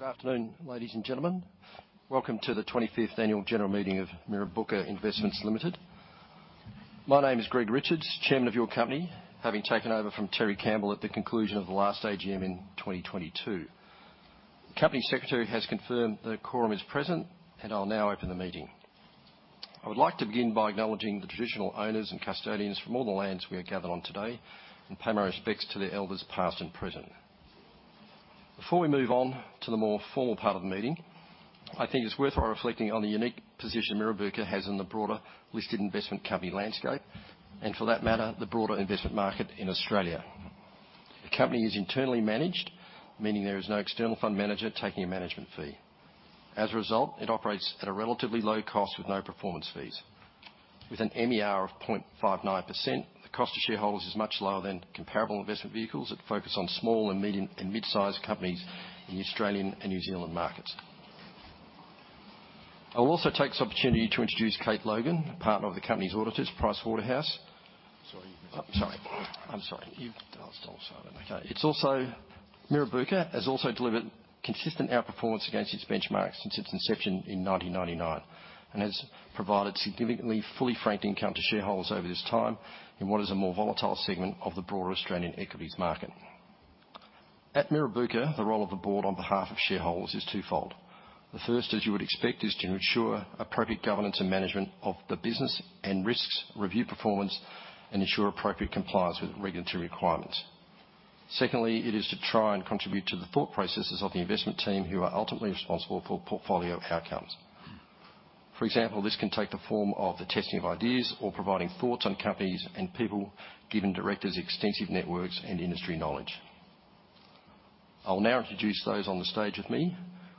Good afternoon, ladies and gentlemen. Welcome to the 25th Annual General Meeting of Mirrabooka Investments Limited. My name is Greg Richards, Chairman of your company, having taken over from Terry Campbell at the conclusion of the last AGM in 2022. The company secretary has confirmed that quorum is present, and I'll now open the meeting. I would like to begin by acknowledging the traditional owners and custodians from all the lands we are gathered on today and pay my respects to the elders, past and present. Before we move on to the more formal part of the meeting, I think it's worthwhile reflecting on the unique position Mirrabooka has in the broader listed investment company landscape, and for that matter, the broader investment market in Australia. The company is internally managed, meaning there is no external fund manager taking a management fee. As a result, it operates at a relatively low cost with no performance fees. With an MER of 0.59%, the cost to shareholders is much lower than comparable investment vehicles that focus on small and medium and mid-sized companies in the Australian and New Zealand markets. I will also take this opportunity to introduce Kate Logan, a partner of the company's auditors, PricewaterhouseCoopers. Sorry, you. I'll start it. Okay. Mirrabooka has also delivered consistent outperformance against its benchmark since its inception in 1999, and has provided significantly fully franked income to shareholders over this time, in what is a more volatile segment of the broader Australian equities market. At Mirrabooka, the role of the board on behalf of shareholders is twofold. The first, as you would expect, is to ensure appropriate governance and management of the business and risks, review performance, and ensure appropriate compliance with regulatory requirements. Secondly, it is to try and contribute to the thought processes of the investment team, who are ultimately responsible for portfolio outcomes. For example, this can take the form of the testing of ideas or providing thoughts on companies and people, given directors' extensive networks and industry knowledge. I will now introduce those on the stage with me.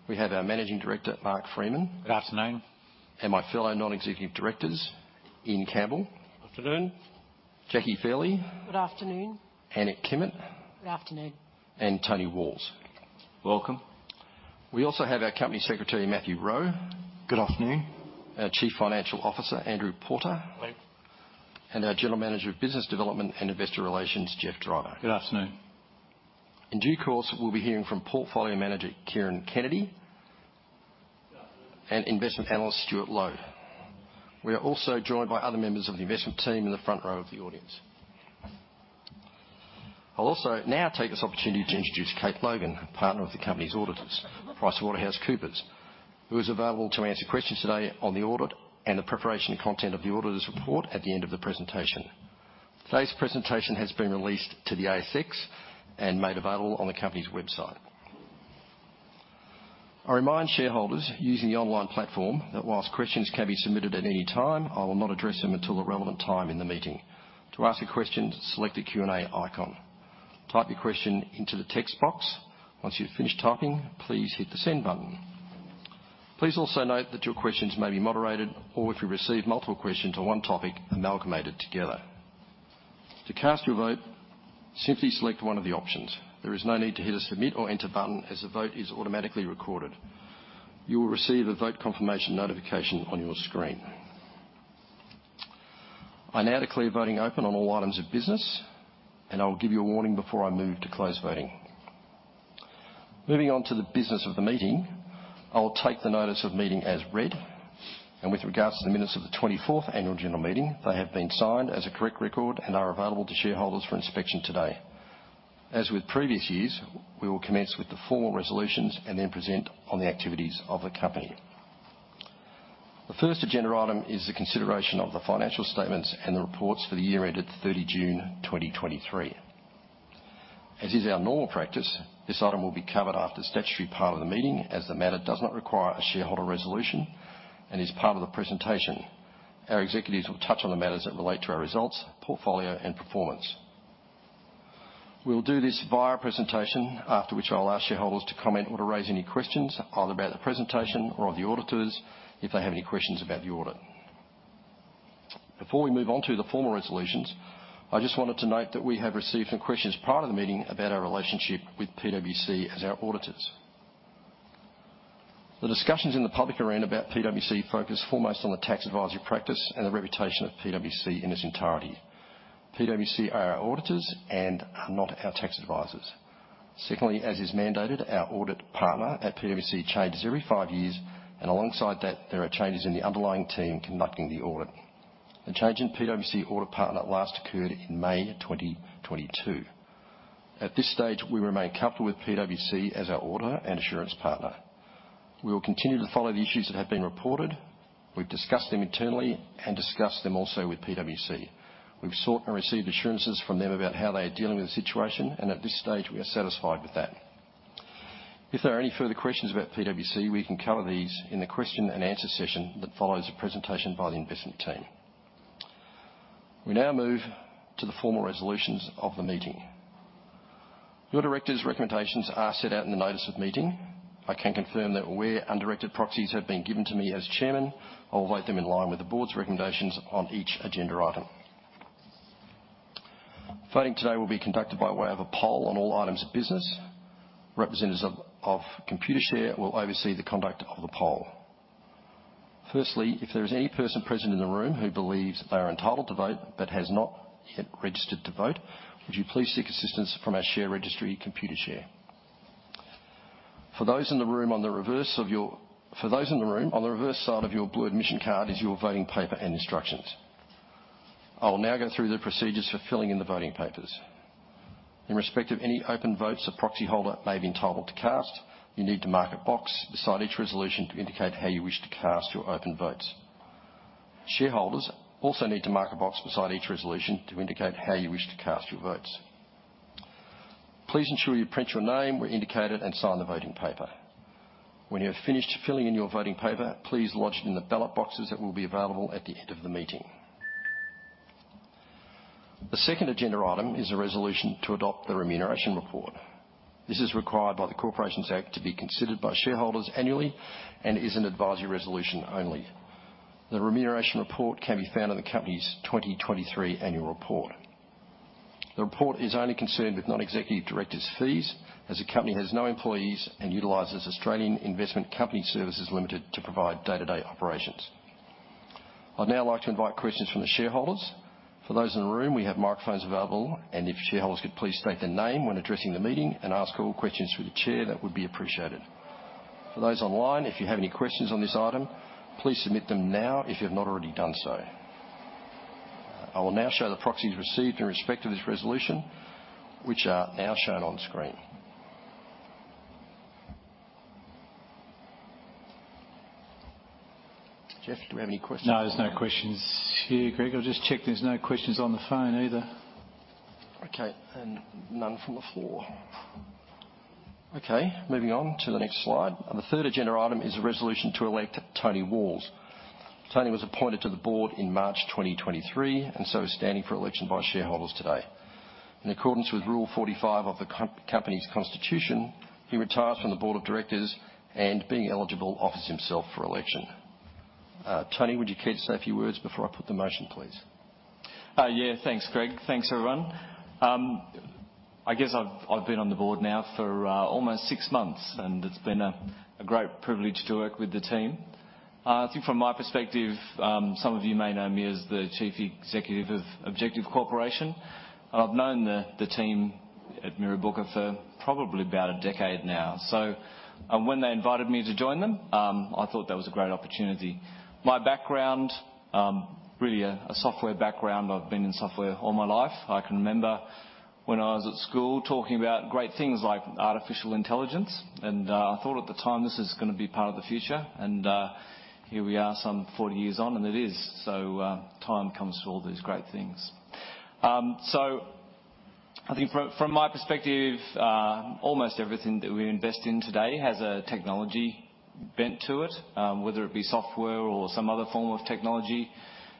We have our Managing Director, Mark Freeman. Good afternoon. My fellow non-executive directors, Ian Campbell. Afternoon. Jackie Fairley. Good afternoon. Annette Kimmitt. Good afternoon. Tony Walls. Welcome. We also have our Company Secretary, Matthew Rowe. Good afternoon. Our Chief Financial Officer, Andrew Porter. Hi. Our General Manager of Business Development and Investor Relations, Geoff Driver. Good afternoon. In due course, we'll be hearing from Portfolio Manager, Kieran Kennedy, and Investment Analyst, Stuart Low. We are also joined by other members of the investment team in the front row of the audience. I'll also now take this opportunity to introduce Kate Logan, a partner with the company's auditors, PricewaterhouseCoopers, who is available to answer questions today on the audit and the preparation and content of the auditor's report at the end of the presentation. Today's presentation has been released to the ASX and made available on the company's website. I remind shareholders using the online platform that while questions can be submitted at any time, I will not address them until the relevant time in the meeting. To ask a question, select the Q&A icon. Type your question into the text box. Once you've finished typing, please hit the send button. Please also note that your questions may be moderated, or if we receive multiple questions on one topic, amalgamated together. To cast your vote, simply select one of the options. There is no need to hit a submit or enter button, as the vote is automatically recorded. You will receive a vote confirmation notification on your screen. I now declare voting open on all items of business, and I will give you a warning before I move to close voting. Moving on to the business of the meeting, I will take the notice of meeting as read, and with regards to the minutes of the 24th Annual General Meeting, they have been signed as a correct record and are available to shareholders for inspection today. As with previous years, we will commence with the formal resolutions and then present on the activities of the company. The first agenda item is the consideration of the financial statements and the reports for the year ended 30 June 2023. As is our normal practice, this item will be covered after the statutory part of the meeting, as the matter does not require a shareholder resolution and is part of the presentation. Our executives will touch on the matters that relate to our results, portfolio, and performance. We'll do this via a presentation, after which I'll ask shareholders to comment or to raise any questions, either about the presentation or of the auditors, if they have any questions about the audit. Before we move on to the formal resolutions, I just wanted to note that we have received some questions prior to the meeting about our relationship with PwC as our auditors. The discussions in the public arena about PwC focus foremost on the tax advisory practice and the reputation of PwC in its entirety. PwC are our auditors and are not our tax advisors. Secondly, as is mandated, our audit partner at PwC changes every five years, and alongside that, there are changes in the underlying team conducting the audit. The change in PwC audit partner last occurred in May 2022. At this stage, we remain comfortable with PwC as our auditor and assurance partner. We will continue to follow the issues that have been reported. We've discussed them internally and discussed them also with PwC. We've sought and received assurances from them about how they are dealing with the situation, and at this stage, we are satisfied with that. If there are any further questions about PwC, we can cover these in the question and answer session that follows the presentation by the investment team. We now move to the formal resolutions of the meeting. Your directors' recommendations are set out in the notice of meeting. I can confirm that where undirected proxies have been given to me as chairman, I'll vote them in line with the board's recommendations on each agenda item. Voting today will be conducted by way of a poll on all items of business. Representatives of Computershare will oversee the conduct of the poll. Firstly, if there is any person present in the room who believes they are entitled to vote but has not yet registered to vote, would you please seek assistance from our share registry, Computershare? For those in the room, on the reverse side of your blue admission card is your voting paper and instructions. I will now go through the procedures for filling in the voting papers. In respect of any open votes a proxy holder may be entitled to cast, you need to mark a box beside each resolution to indicate how you wish to cast your open votes. Shareholders also need to mark a box beside each resolution to indicate how you wish to cast your votes. Please ensure you print your name where indicated and sign the voting paper. When you have finished filling in your voting paper, please lodge it in the ballot boxes that will be available at the end of the meeting. The second agenda item is a resolution to adopt the remuneration report. This is required by the Corporations Act to be considered by shareholders annually and is an advisory resolution only. The remuneration report can be found in the company's 2023 annual report. The report is only concerned with non-executive directors' fees, as the company has no employees and utilizes Australian Investment Company Services Limited to provide day-to-day operations. I'd now like to invite questions from the shareholders. For those in the room, we have microphones available, and if shareholders could please state their name when addressing the meeting and ask all questions through the chair, that would be appreciated. For those online, if you have any questions on this item, please submit them now if you have not already done so. I will now show the proxies received in respect to this resolution, which are now shown on screen. Geoff, do we have any questions? No, there's no questions here, Greg. I'll just check there's no questions on the phone either. Okay, and none from the floor. Okay, moving on to the next slide. The third agenda item is a resolution to elect Tony Walls. Tony was appointed to the board in March 2023 and so is standing for election by shareholders today. In accordance with Rule 45 of the company's constitution, he retired from the board of directors and, being eligible, offers himself for election. Tony, would you care to say a few words before I put the motion, please? Yeah, thanks, Greg. Thanks, everyone. I guess I've been on the board now for almost six months, and it's been a great privilege to work with the team. I think from my perspective, some of you may know me as the Chief Executive of Objective Corporation. I've known the team at Mirrabooka for probably about a decade now. So, when they invited me to join them, I thought that was a great opportunity. My background, really a software background. I've been in software all my life. I can remember when I was at school talking about great things like artificial intelligence, and I thought at the time, this is gonna be part of the future, and here we are some 40 years on, and it is. So, time comes to all these great things. So I think from my perspective, almost everything that we invest in today has a technology bent to it, whether it be software or some other form of technology,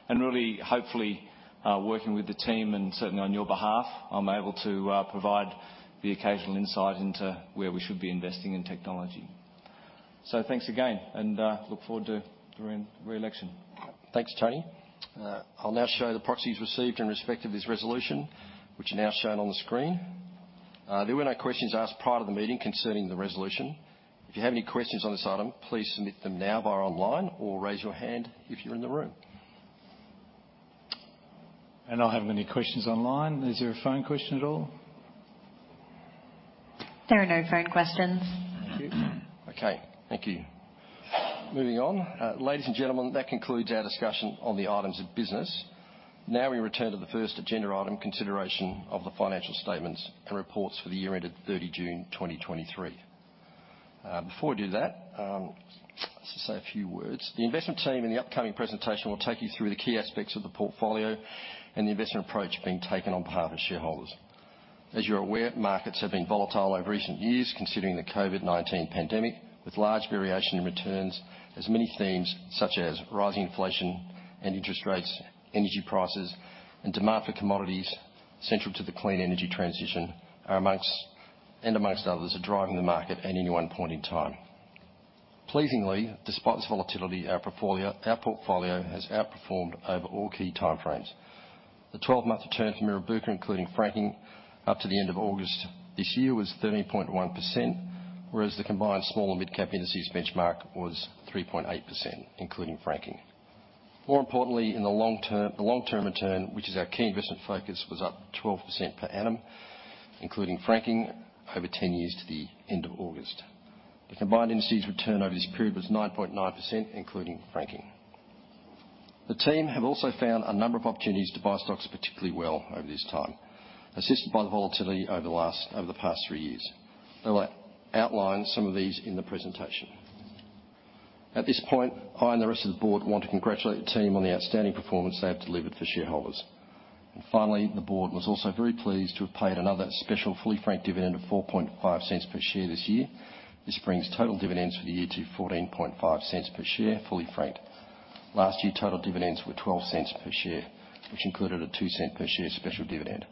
and really, hopefully, working with the team, and certainly on your behalf, I'm able to provide the occasional insight into where we should be investing in technology. So thanks again, and look forward to re-election. Thanks, Tony. I'll now show the proxies received in respect of this resolution, which are now shown on the screen. There were no questions asked prior to the meeting concerning the resolution. If you have any questions on this item, please submit them now via online or raise your hand if you're in the room. I haven't any questions online. Is there a phone question at all? There are no phone questions. Thank you. Okay, thank you. Moving on. Ladies and gentlemen, that concludes our discussion on the items of business. Now, we return to the first agenda item, consideration of the financial statements and reports for the year ended 30 June 2023. Before I do that, just to say a few words. The investment team in the upcoming presentation will take you through the key aspects of the portfolio and the investment approach being taken on behalf of shareholders. As you're aware, markets have been volatile over recent years, considering the COVID-19 pandemic, with large variation in returns as many themes, such as rising inflation and interest rates, energy prices, and demand for commodities central to the clean energy transition, amongst others, are driving the market at any one point in time. Pleasingly, despite this volatility, our portfolio, our portfolio has outperformed over all key time frames. The 12-month return for Mirrabooka, including franking, up to the end of August this year, was 13.1%, whereas the combined small and mid-cap industries benchmark was 3.8%, including franking. More importantly, in the long term, the long-term return, which is our key investment focus, was up 12% per annum, including franking over 10 years to the end of August. The combined industries' return over this period was 9.9%, including franking. The team have also found a number of opportunities to buy stocks, particularly well over this time, assisted by the volatility over the past three years. They'll outline some of these in the presentation. At this point, I and the rest of the board want to congratulate the team on the outstanding performance they have delivered for shareholders. Finally, the board was also very pleased to have paid another special fully franked dividend of 0.045 per share this year. This brings total dividends for the year to 0.145 per share, fully franked. Last year, total dividends were 0.12 per share, which included a 0.02 per share special dividend.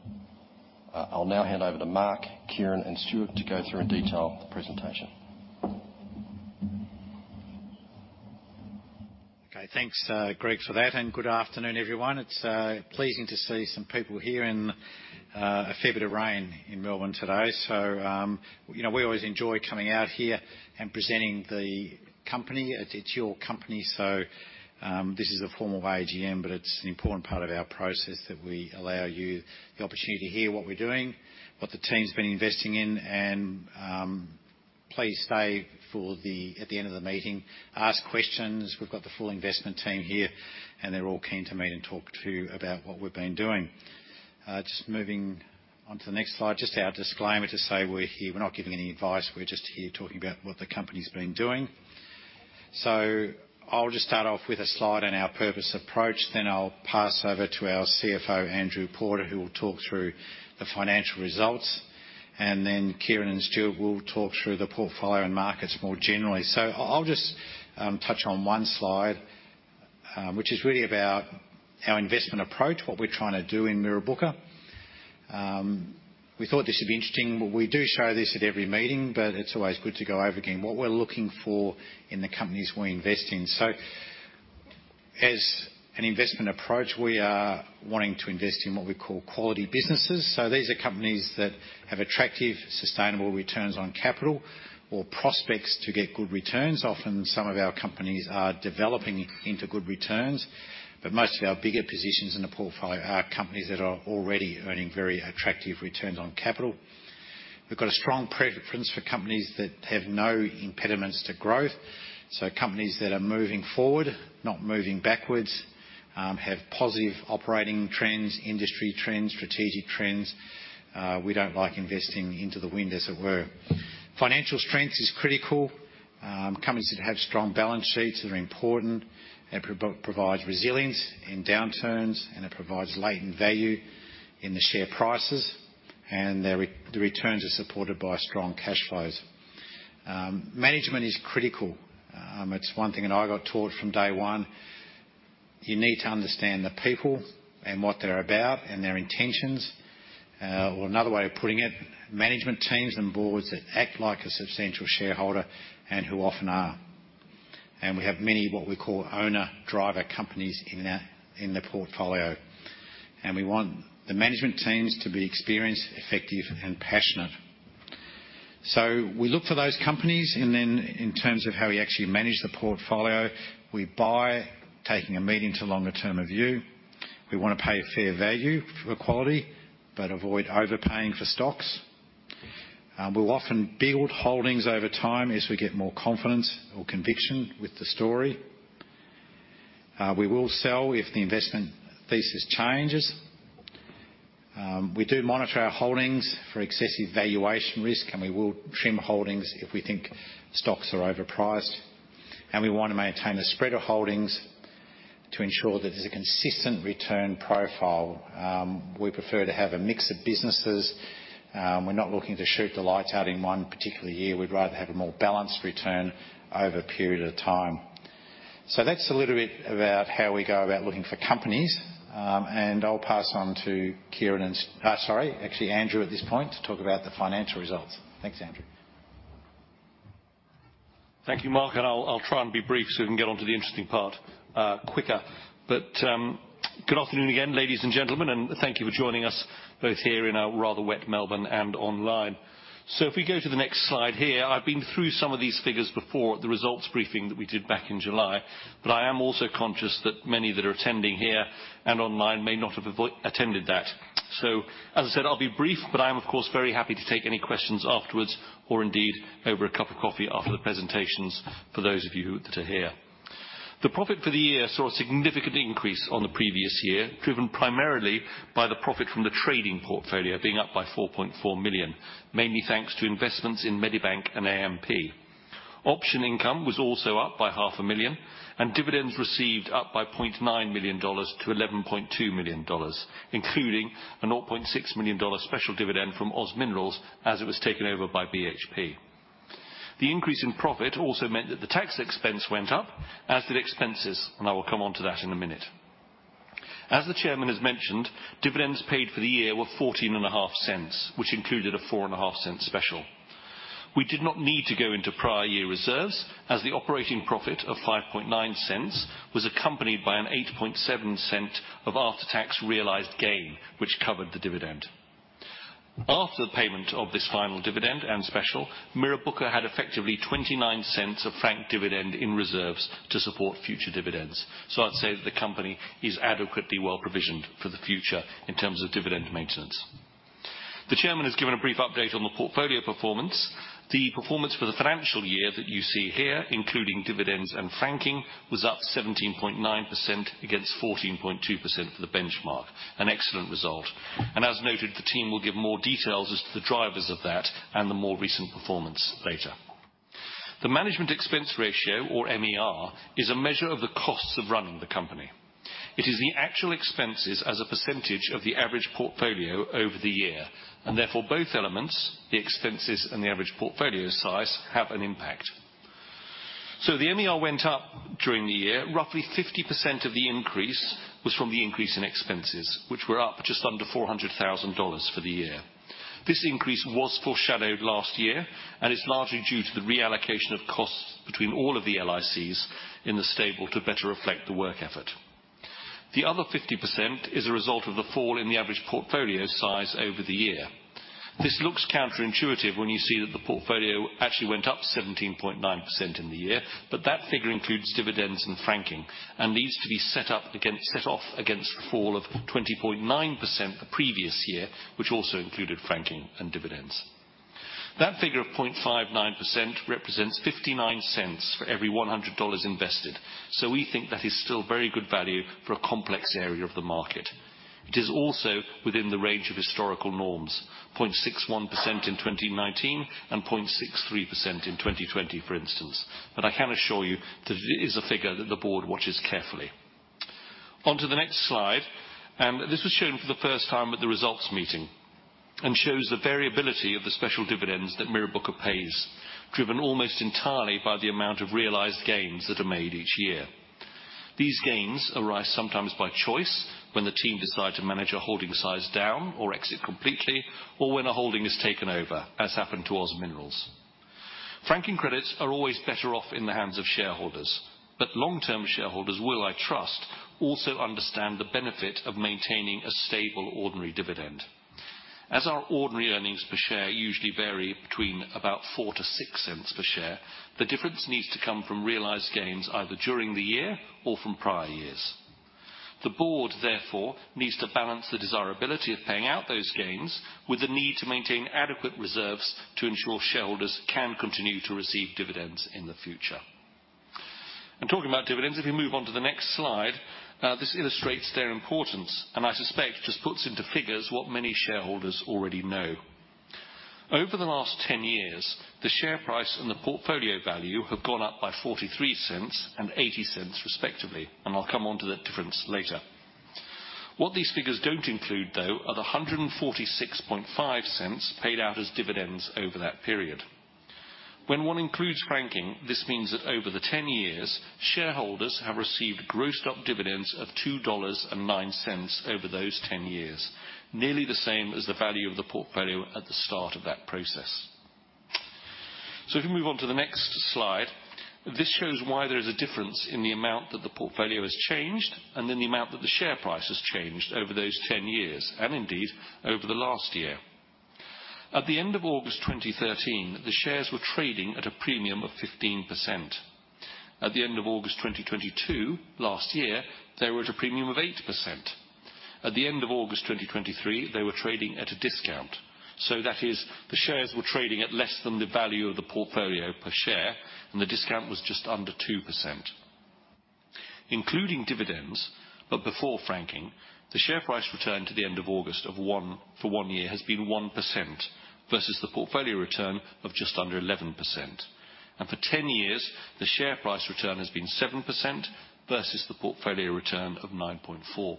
I'll now hand over to Mark, Kieran, and Stuart to go through a detailed presentation. Okay, thanks, Greg for that, and good afternoon, everyone. It's pleasing to see some people here in a fair bit of rain in Melbourne today. You know, we always enjoy coming out here and presenting the company. It's your company, so this is a formal AGM, but it's an important part of our process that we allow you the opportunity to hear what we're doing, what the team's been investing in. Please stay for the, at the end of the meeting, ask questions. We've got the full investment team here, and they're all keen to meet and talk to you about what we've been doing. Just moving on to the next slide. Just our disclaimer to say we're here, we're not giving any advice, we're just here talking about what the company's been doing. I'll just start off with a slide on our purpose approach, then I'll pass over to our CFO, Andrew Porter, who will talk through the financial results. Then Kieran and Stuart will talk through the portfolio and markets more generally. I'll just touch on one slide, which is really about our investment approach, what we're trying to do in Mirrabooka. We thought this would be interesting. We do show this at every meeting, but it's always good to go over again. What we're looking for in the companies we invest in. As an investment approach, we are wanting to invest in what we call quality businesses. These are companies that have attractive, sustainable returns on capital or prospects to get good returns. Often, some of our companies are developing into good returns, but most of our bigger positions in the portfolio are companies that are already earning very attractive returns on capital. We've got a strong preference for companies that have no impediments to growth, so companies that are moving forward, not moving backwards, have positive operating trends, industry trends, strategic trends. We don't like investing into the wind, as it were. Financial strength is critical. Companies that have strong balance sheets are important. It provides resilience in downturns, and it provides latent value in the share prices, and the returns are supported by strong cash flows. Management is critical. It's one thing that I got taught from day one. You need to understand the people and what they're about and their intentions. Or another way of putting it, management teams and boards that act like a substantial shareholder and who often are. And we have many, what we call, owner-driver companies in our, in the portfolio, and we want the management teams to be experienced, effective, and passionate. So we look for those companies, and then in terms of how we actually manage the portfolio, we buy, taking a medium to longer term of view. We want to pay a fair value for quality, but avoid overpaying for stocks. We'll often build holdings over time as we get more confidence or conviction with the story. We will sell if the investment thesis changes. We do monitor our holdings for excessive valuation risk, and we will trim holdings if we think stocks are overpriced. We want to maintain a spread of holdings to ensure that there's a consistent return profile. We prefer to have a mix of businesses. We're not looking to shoot the lights out in one particular year. We'd rather have a more balanced return over a period of time. That's a little bit about how we go about looking for companies. And I'll pass on to Kieran, sorry, actually, Andrew, at this point, to talk about the financial results. Thanks, Andrew. Thank you, Mark, and I'll try and be brief so we can get onto the interesting part quicker. But good afternoon again, ladies and gentlemen, and thank you for joining us both here in our rather wet Melbourne and online. So if we go to the next slide here, I've been through some of these figures before at the results briefing that we did back in July, but I am also conscious that many that are attending here and online may not have attended that. So as I said, I'll be brief, but I am, of course, very happy to take any questions afterwards or indeed over a cup of coffee after the presentations for those of you that are here. The profit for the year saw a significant increase on the previous year, driven primarily by the profit from the trading portfolio being up by 4.4 million, mainly thanks to investments in Medibank and AMP. Option income was also up by 0.5 million, and dividends received up by 0.9 million dollars to 11.2 million dollars, including a 0.6 million dollar special dividend from OZ Minerals as it was taken over by BHP. The increase in profit also meant that the tax expense went up, as did expenses, and I will come on to that in a minute. As the chairman has mentioned, dividends paid for the year were 0.145, which included a 0.045 special. We did not need to go into prior year reserves as the operating profit of 0.059 was accompanied by an 0.087 of after-tax realized gain, which covered the dividend. After the payment of this final dividend and special, Mirrabooka had effectively 0.29 of franked dividend in reserves to support future dividends. So I'd say the company is adequately well provisioned for the future in terms of dividend maintenance. The chairman has given a brief update on the portfolio performance. The performance for the financial year that you see here, including dividends and franking, was up 17.9% against 14.2% for the benchmark, an excellent result. And as noted, the team will give more details as to the drivers of that and the more recent performance later. The management expense ratio, or MER, is a measure of the costs of running the company. It is the actual expenses as a percentage of the average portfolio over the year, and therefore both elements, the expenses and the average portfolio size, have an impact. So the MER went up during the year. Roughly 50% of the increase was from the increase in expenses, which were up just under 400,000 dollars for the year. This increase was foreshadowed last year, and it's largely due to the reallocation of costs between all of the LICs in the stable to better reflect the work effort. The other 50% is a result of the fall in the average portfolio size over the year. This looks counterintuitive when you see that the portfolio actually went up 17.9% in the year, but that figure includes dividends and franking, and needs to be set off against the fall of 20.9% the previous year, which also included franking and dividends. That figure of 0.59% represents 0.59 for every 100 dollars invested, so we think that is still very good value for a complex area of the market. It is also within the range of historical norms, 0.61% in 2019 and 0.63% in 2020, for instance. But I can assure you that it is a figure that the board watches carefully. On to the next slide, and this was shown for the first time at the results meeting, and shows the variability of the special dividends that Mirrabooka pays, driven almost entirely by the amount of realized gains that are made each year. These gains arise sometimes by choice, when the team decide to manage a holding size down or exit completely, or when a holding is taken over, as happened to OZ Minerals. Franking credits are always better off in the hands of shareholders, but long-term shareholders will, I trust, also understand the benefit of maintaining a stable, ordinary dividend. As our ordinary earnings per share usually vary between about 0.04-0.06 per share, the difference needs to come from realized gains, either during the year or from prior years. The board, therefore, needs to balance the desirability of paying out those gains with the need to maintain adequate reserves to ensure shareholders can continue to receive dividends in the future. And talking about dividends, if we move on to the next slide, this illustrates their importance, and I suspect just puts into figures what many shareholders already know. Over the last 10 years, the share price and the portfolio value have gone up by 0.43 and 0.80, respectively, and I'll come onto the difference later. What these figures don't include, though, are the 1.465 paid out as dividends over that period. When one includes franking, this means that over the 10 years, shareholders have received grossed up dividends of 2.09 dollars over those 10 years, nearly the same as the value of the portfolio at the start of that process. So if we move on to the next slide, this shows why there is a difference in the amount that the portfolio has changed, and in the amount that the share price has changed over those 10 years, and indeed, over the last year. At the end of August 2013, the shares were trading at a premium of 15%. At the end of August 2022, last year, they were at a premium of 8%. At the end of August 2023, they were trading at a discount, so that is, the shares were trading at less than the value of the portfolio per share, and the discount was just under 2%. Including dividends, but before franking, the share price return to the end of August of one-year has been 1% versus the portfolio return of just under 11%, and for 10 years, the share price return has been 7% versus the portfolio return of 9.4%.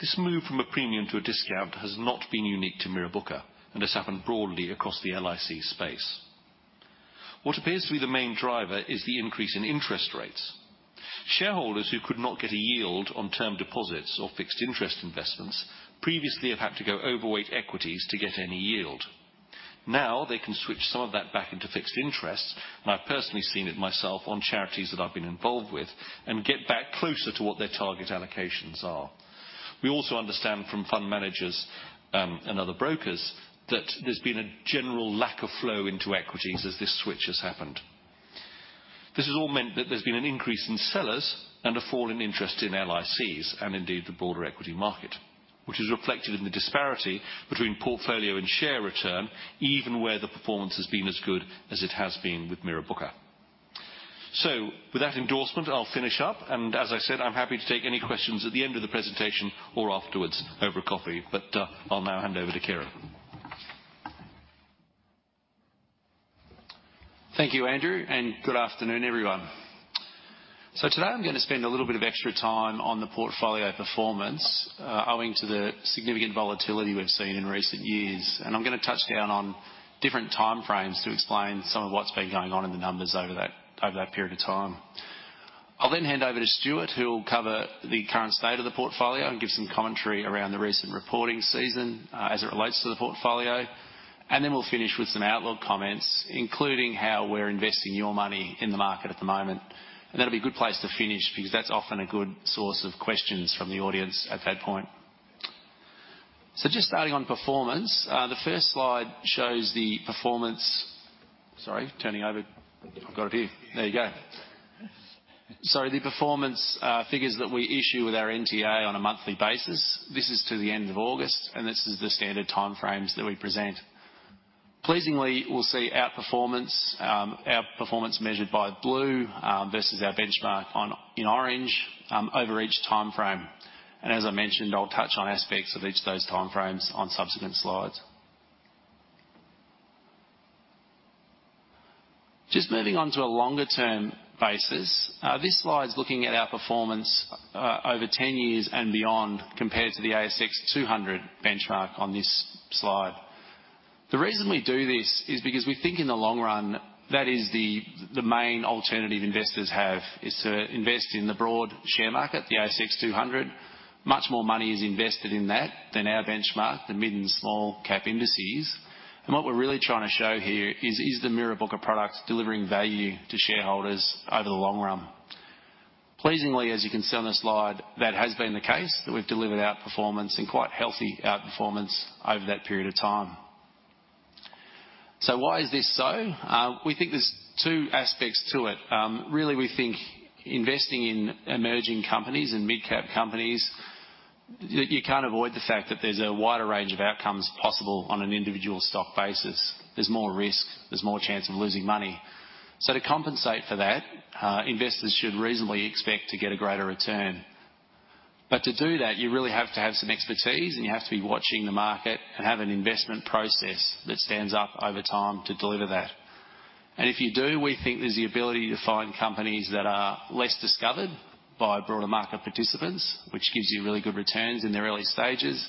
This move from a premium to a discount has not been unique to Mirrabooka and has happened broadly across the LIC space. What appears to be the main driver is the increase in interest rates. Shareholders who could not get a yield on term deposits or fixed interest investments previously have had to go overweight equities to get any yield. Now, they can switch some of that back into fixed interest, and I've personally seen it myself on charities that I've been involved with, and get back closer to what their target allocations are. We also understand from fund managers, and other brokers, that there's been a general lack of flow into equities as this switch has happened. This has all meant that there's been an increase in sellers and a fall in interest in LICs, and indeed, the broader equity market, which is reflected in the disparity between portfolio and share return, even where the performance has been as good as it has been with Mirrabooka. With that endorsement, I'll finish up, and as I said, I'm happy to take any questions at the end of the presentation or afterwards over coffee, but I'll now hand over to Kieran. Thank you, Andrew, and good afternoon, everyone. So today I'm gonna spend a little bit of extra time on the portfolio performance, owing to the significant volatility we've seen in recent years. And I'm gonna touch down on different time frames to explain some of what's been going on in the numbers over that, over that period of time. I'll then hand over to Stuart, who will cover the current state of the portfolio and give some commentary around the recent reporting season, as it relates to the portfolio. And then we'll finish with some outlook comments, including how we're investing your money in the market at the moment. And that'll be a good place to finish, because that's often a good source of questions from the audience at that point. So just starting on performance, the first slide shows the performance. Sorry, turning over. I've got it here. There you go. Sorry, the performance figures that we issue with our NTA on a monthly basis. This is to the end of August, and this is the standard time frames that we present. Pleasingly, we'll see outperformance, outperformance measured by blue versus our benchmark on in orange over each time frame. And as I mentioned, I'll touch on aspects of each of those time frames on subsequent slides. Just moving on to a longer term basis, this slide is looking at our performance over 10 years and beyond, compared to the ASX 200 benchmark on this slide. The reason we do this is because we think in the long run, that is the main alternative investors have, is to invest in the broad share market, the ASX 200. Much more money is invested in that than our benchmark, the mid- and small-cap indices. What we're really trying to show here is, is the Mirrabooka product delivering value to shareholders over the long run? Pleasingly, as you can see on the slide, that has been the case, that we've delivered outperformance and quite healthy outperformance over that period of time. Why is this so? We think there's two aspects to it. Really, we think investing in emerging companies and mid-cap companies, you, you can't avoid the fact that there's a wider range of outcomes possible on an individual stock basis. There's more risk, there's more chance of losing money. To compensate for that, investors should reasonably expect to get a greater return. But to do that, you really have to have some expertise, and you have to be watching the market and have an investment process that stands up over time to deliver that. And if you do, we think there's the ability to find companies that are less discovered by broader market participants, which gives you really good returns in the early stages,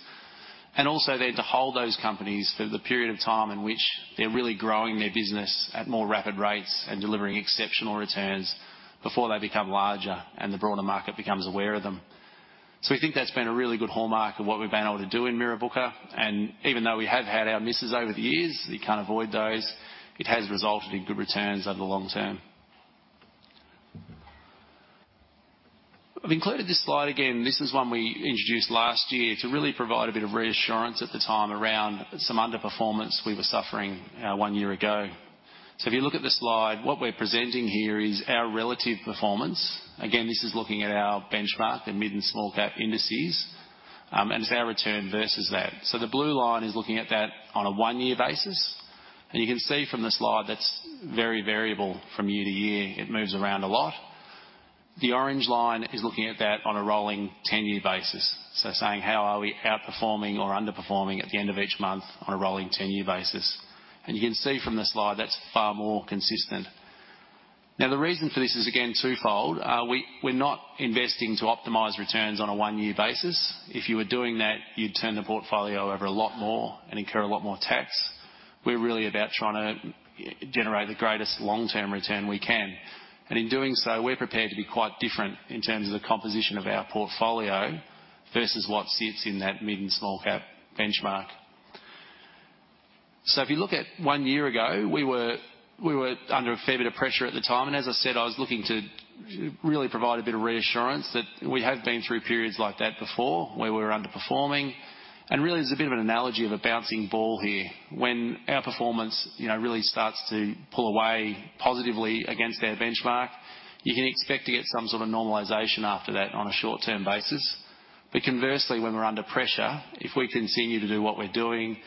and also then to hold those companies for the period of time in which they're really growing their business at more rapid rates and delivering exceptional returns before they become larger and the broader market becomes aware of them. So we think that's been a really good hallmark of what we've been able to do in Mirrabooka, and even though we have had our misses over the years, you can't avoid those, it has resulted in good returns over the long term. I've included this slide again. This is one we introduced last year to really provide a bit of reassurance at the time around some underperformance we were suffering year year ago. So if you look at the slide, what we're presenting here is our relative performance. Again, this is looking at our benchmark, the mid and small cap indices, and it's our return versus that. So the blue line is looking at that on a 1-year basis, and you can see from the slide that's very variable from year to year. It moves around a lot. The orange line is looking at that on a rolling 10-year basis, so saying, how are we outperforming or underperforming at the end of each month on a rolling 10-year basis? And you can see from the slide, that's far more consistent. Now, the reason for this is again, twofold. We're not investing to optimize returns on a one-year basis. If you were doing that, you'd turn the portfolio over a lot more and incur a lot more tax. We're really about trying to generate the greatest long-term return we can, and in doing so, we're prepared to be quite different in terms of the composition of our portfolio versus what sits in that mid and small cap benchmark. So if you look at one year ago, we were under a fair bit of pressure at the time, and as I said, I was looking to really provide a bit of reassurance that we have been through periods like that before where we were underperforming. Really, there's a bit of an analogy of a bouncing ball here. When our performance, you know, really starts to pull away positively against our benchmark, you can expect to get some sort of normalization after that on a short-term basis. But conversely, when we're under pressure, if we continue to do what we're doing, it...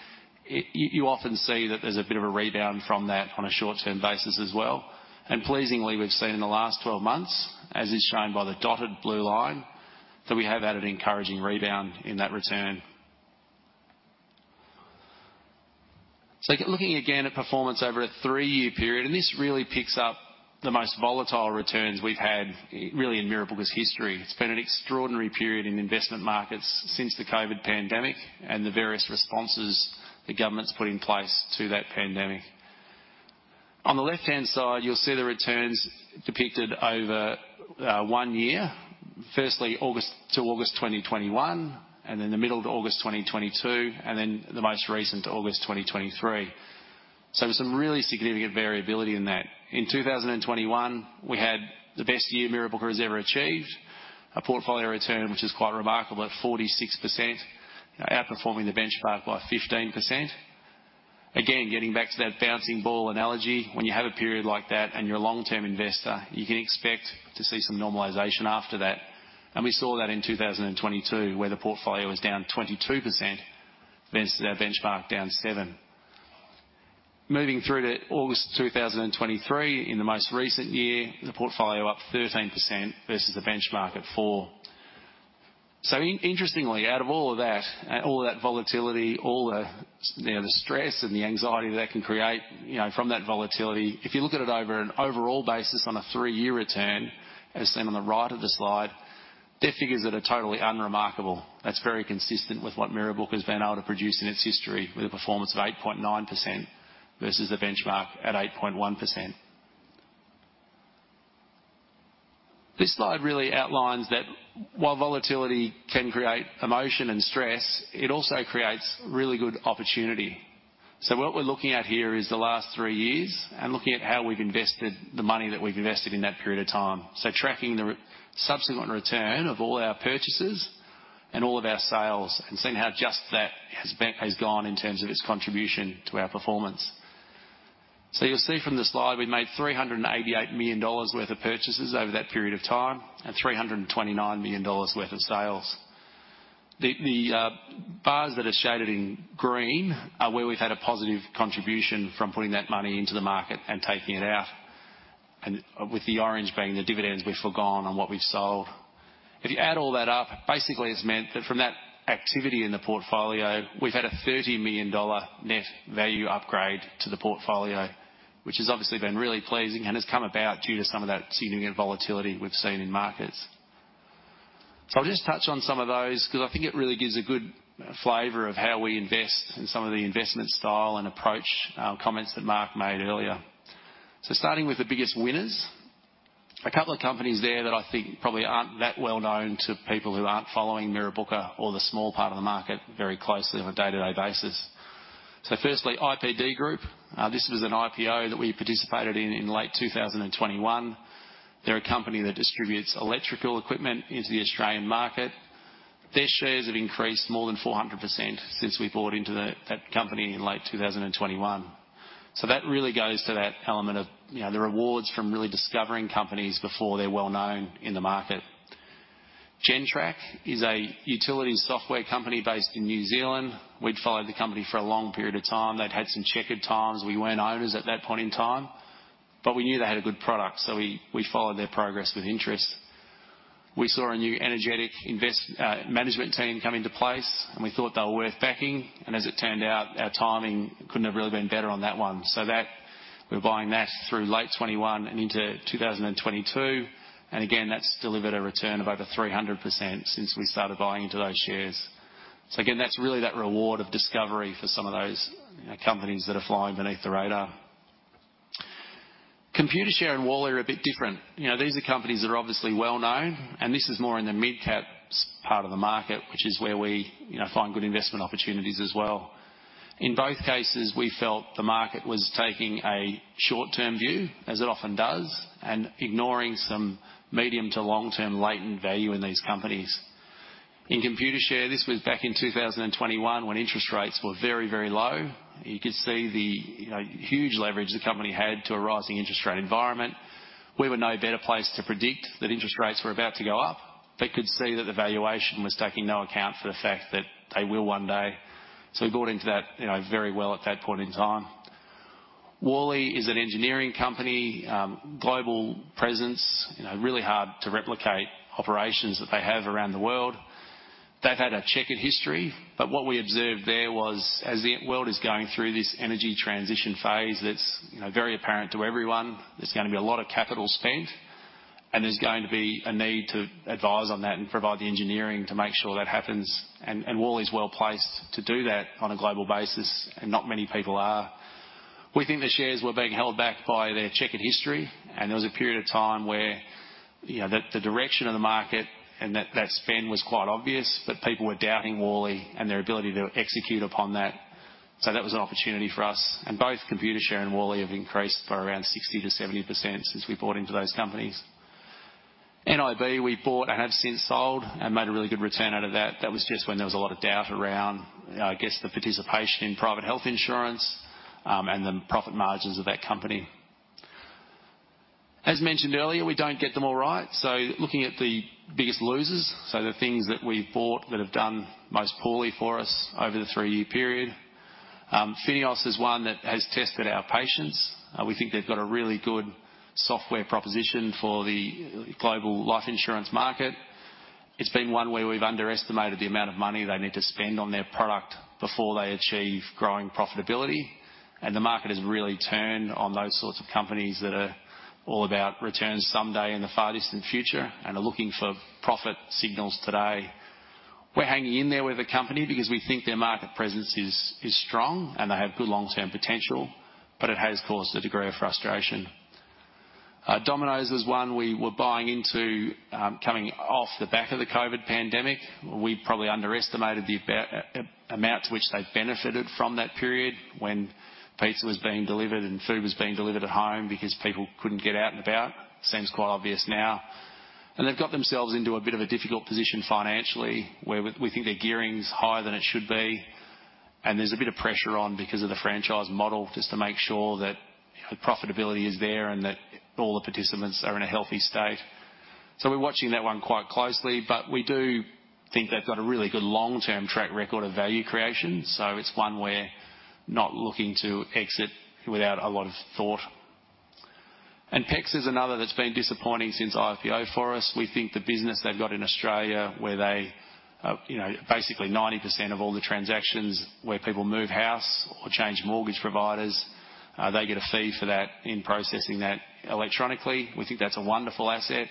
You, you often see that there's a bit of a rebound from that on a short-term basis as well. And pleasingly, we've seen in the last 12 months, as is shown by the dotted blue line, that we have had an encouraging rebound in that return. So looking again at performance over a three-year period, and this really picks up the most volatile returns we've had really in Mirrabooka's history. It's been an extraordinary period in investment markets since the COVID pandemic and the various responses the government's put in place to that pandemic. On the left-hand side, you'll see the returns depicted over one year, firstly, August to August 2021, and then the middle of August 2022, and then the most recent, August 2023. So there's some really significant variability in that. In 2021, we had the best year Mirrabooka has ever achieved, a portfolio return, which is quite remarkable at 46%, outperforming the benchmark by 15%. Again, getting back to that bouncing ball analogy, when you have a period like that and you're a long-term investor, you can expect to see some normalization after that. And we saw that in 2022, where the portfolio was down 22% versus our benchmark down 7%. Moving through to August 2023, in the most recent year, the portfolio up 13% versus the benchmark at 4%. So interestingly, out of all of that, and all that volatility, all the, you know, the stress and the anxiety that can create, you know, from that volatility, if you look at it over an overall basis on a three-year return, as seen on the right of the slide, they're figures that are totally unremarkable. That's very consistent with what Mirrabooka has been able to produce in its history, with a performance of 8.9% versus the benchmark at 8.1%. This slide really outlines that while volatility can create emotion and stress, it also creates really good opportunity. So what we're looking at here is the last three years and looking at how we've invested the money that we've invested in that period of time. So tracking the subsequent return of all our purchases and all of our sales and seeing how just that has gone in terms of its contribution to our performance. So you'll see from the slide, we made 388 million dollars worth of purchases over that period of time and 329 million dollars worth of sales. The bars that are shaded in green are where we've had a positive contribution from putting that money into the market and taking it out, and with the orange being the dividends we've forgone on what we've sold. If you add all that up, basically, it's meant that from that activity in the portfolio, we've had an 30 million dollar net value upgrade to the portfolio, which has obviously been really pleasing and has come about due to some of that significant volatility we've seen in markets.... So I'll just touch on some of those, because I think it really gives a good flavor of how we invest and some of the investment style and approach, comments that Mark made earlier. So starting with the biggest winners, a couple of companies there that I think probably aren't that well known to people who aren't following Mirrabooka or the small part of the market very closely on a day-to-day basis. So firstly, IPD Group. This was an IPO that we participated in, in late 2021. They're a company that distributes electrical equipment into the Australian market. Their shares have increased more than 400% since we bought into that company in late 2021. So that really goes to that element of, you know, the rewards from really discovering companies before they're well known in the market. Gentrack is a utility software company based in New Zealand. We'd followed the company for a long period of time. They'd had some checkered times. We weren't owners at that point in time, but we knew they had a good product, so we followed their progress with interest. We saw a new energetic investment management team come into place, and we thought they were worth backing, and as it turned out, our timing couldn't have really been better on that one. So that, we were buying that through late 2021 and into 2022, and again, that's delivered a return of over 300% since we started buying into those shares. So again, that's really that reward of discovery for some of those, you know, companies that are flying beneath the radar. Computershare and Worley are a bit different. You know, these are companies that are obviously well known, and this is more in the mid-cap space part of the market, which is where we, you know, find good investment opportunities as well. In both cases, we felt the market was taking a short-term view, as it often does, and ignoring some medium to long-term latent value in these companies. In Computershare, this was back in 2021, when interest rates were very, very low. You could see the, you know, huge leverage the company had to a rising interest rate environment. We were in no better place to predict that interest rates were about to go up. They could see that the valuation was taking no account for the fact that they will one day. So we got into that, you know, very well at that point in time. Worley is an engineering company, global presence, you know, really hard to replicate operations that they have around the world. They've had a checkered history, but what we observed there was, as the world is going through this energy transition phase, that's, you know, very apparent to everyone, there's gonna be a lot of capital spent, and there's going to be a need to advise on that and provide the engineering to make sure that happens. Worley is well placed to do that on a global basis, and not many people are. We think the shares were being held back by their checkered history, and there was a period of time where, you know, the direction of the market and that spend was quite obvious that people were doubting Worley and their ability to execute upon that. So that was an opportunity for us, and both Computershare and Worley have increased by around 60%-70% since we bought into those companies. nib, we bought and have since sold and made a really good return out of that. That was just when there was a lot of doubt around, I guess, the participation in private health insurance and the profit margins of that company. As mentioned earlier, we don't get them all right, so looking at the biggest losers, so the things that we've bought that have done most poorly for us over the three-year period. FINEOS is one that has tested our patience. We think they've got a really good software proposition for the global life insurance market. It's been one where we've underestimated the amount of money they need to spend on their product before they achieve growing profitability, and the market has really turned on those sorts of companies that are all about returns someday in the far distant future and are looking for profit signals today. We're hanging in there with the company because we think their market presence is, is strong and they have good long-term potential, but it has caused a degree of frustration. Domino's is one we were buying into, coming off the back of the COVID pandemic. We probably underestimated the amount to which they benefited from that period when pizza was being delivered and food was being delivered at home because people couldn't get out and about. Seems quite obvious now. And they've got themselves into a bit of a difficult position financially, where we think their gearing is higher than it should be, and there's a bit of pressure on because of the franchise model, just to make sure that the profitability is there and that all the participants are in a healthy state. So we're watching that one quite closely, but we do think they've got a really good long-term track record of value creation, so it's one we're not looking to exit without a lot of thought. PEXA is another that's been disappointing since IPO for us. We think the business they've got in Australia, where they, you know, basically 90% of all the transactions, where people move house or change mortgage providers, they get a fee for that in processing that electronically. We think that's a wonderful asset.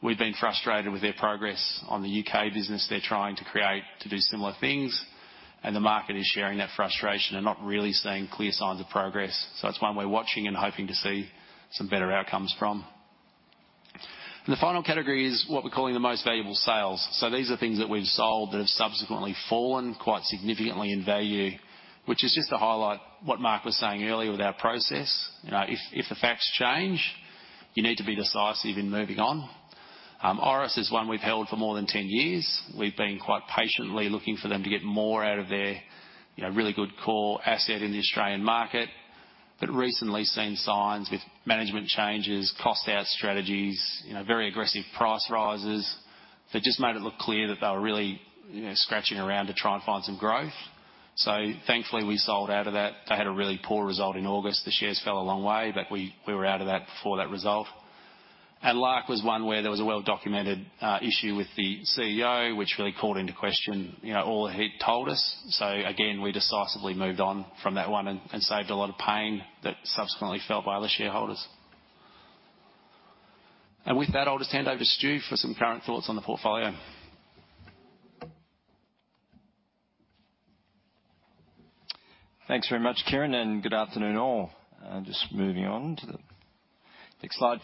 We've been frustrated with their progress on the UK business they're trying to create to do similar things, and the market is sharing that frustration and not really seeing clear signs of progress. So that's one we're watching and hoping to see some better outcomes from. And the final category is what we're calling the most valuable sales. So these are things that we've sold that have subsequently fallen quite significantly in value, which is just to highlight what Mark was saying earlier with our process. You know, if the facts change, you need to be decisive in moving on. Orica is one we've held for more than 10 years. We've been quite patiently looking for them to get more out of their, you know, really good core asset in the Australian market, but recently seen signs with management changes, cost out strategies, you know, very aggressive price rises, that just made it look clear that they were really, you know, scratching around to try and find some growth. So thankfully, we sold out of that. They had a really poor result in August. The shares fell a long way, but we were out of that before that result. And Lark was one where there was a well-documented issue with the CEO, which really called into question, you know, all he'd told us. So again, we decisively moved on from that one and saved a lot of pain that subsequently felt by other shareholders... And with that, I'll just hand over to Stu for some current thoughts on the portfolio. Thanks very much, Kieran, and good afternoon all. Just moving on to the next slide.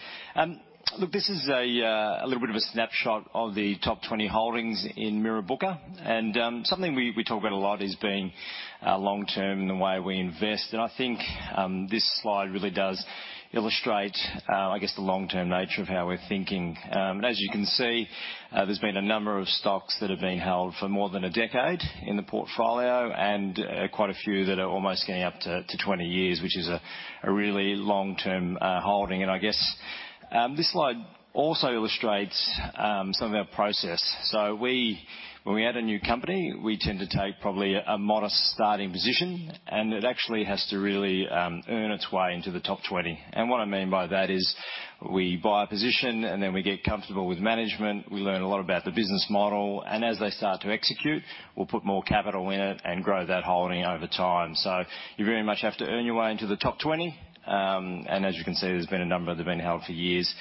Look, this is a little bit of a snapshot of the top 20 holdings in Mirrabooka, and something we talk about a lot is being long-term in the way we invest. And I think this slide really does illustrate, I guess, the long-term nature of how we're thinking. And as you can see, there's been a number of stocks that have been held for more than a decade in the portfolio, and quite a few that are almost getting up to 20 years, which is a really long-term holding. And I guess this slide also illustrates some of our process. So when we add a new company, we tend to take probably a modest starting position, and it actually has to really earn its way into the top 20. And what I mean by that is we buy a position, and then we get comfortable with management. We learn a lot about the business model, and as they start to execute, we'll put more capital in it and grow that holding over time. So you very much have to earn your way into the top 20. And as you can see, there's been a number that have been held for years.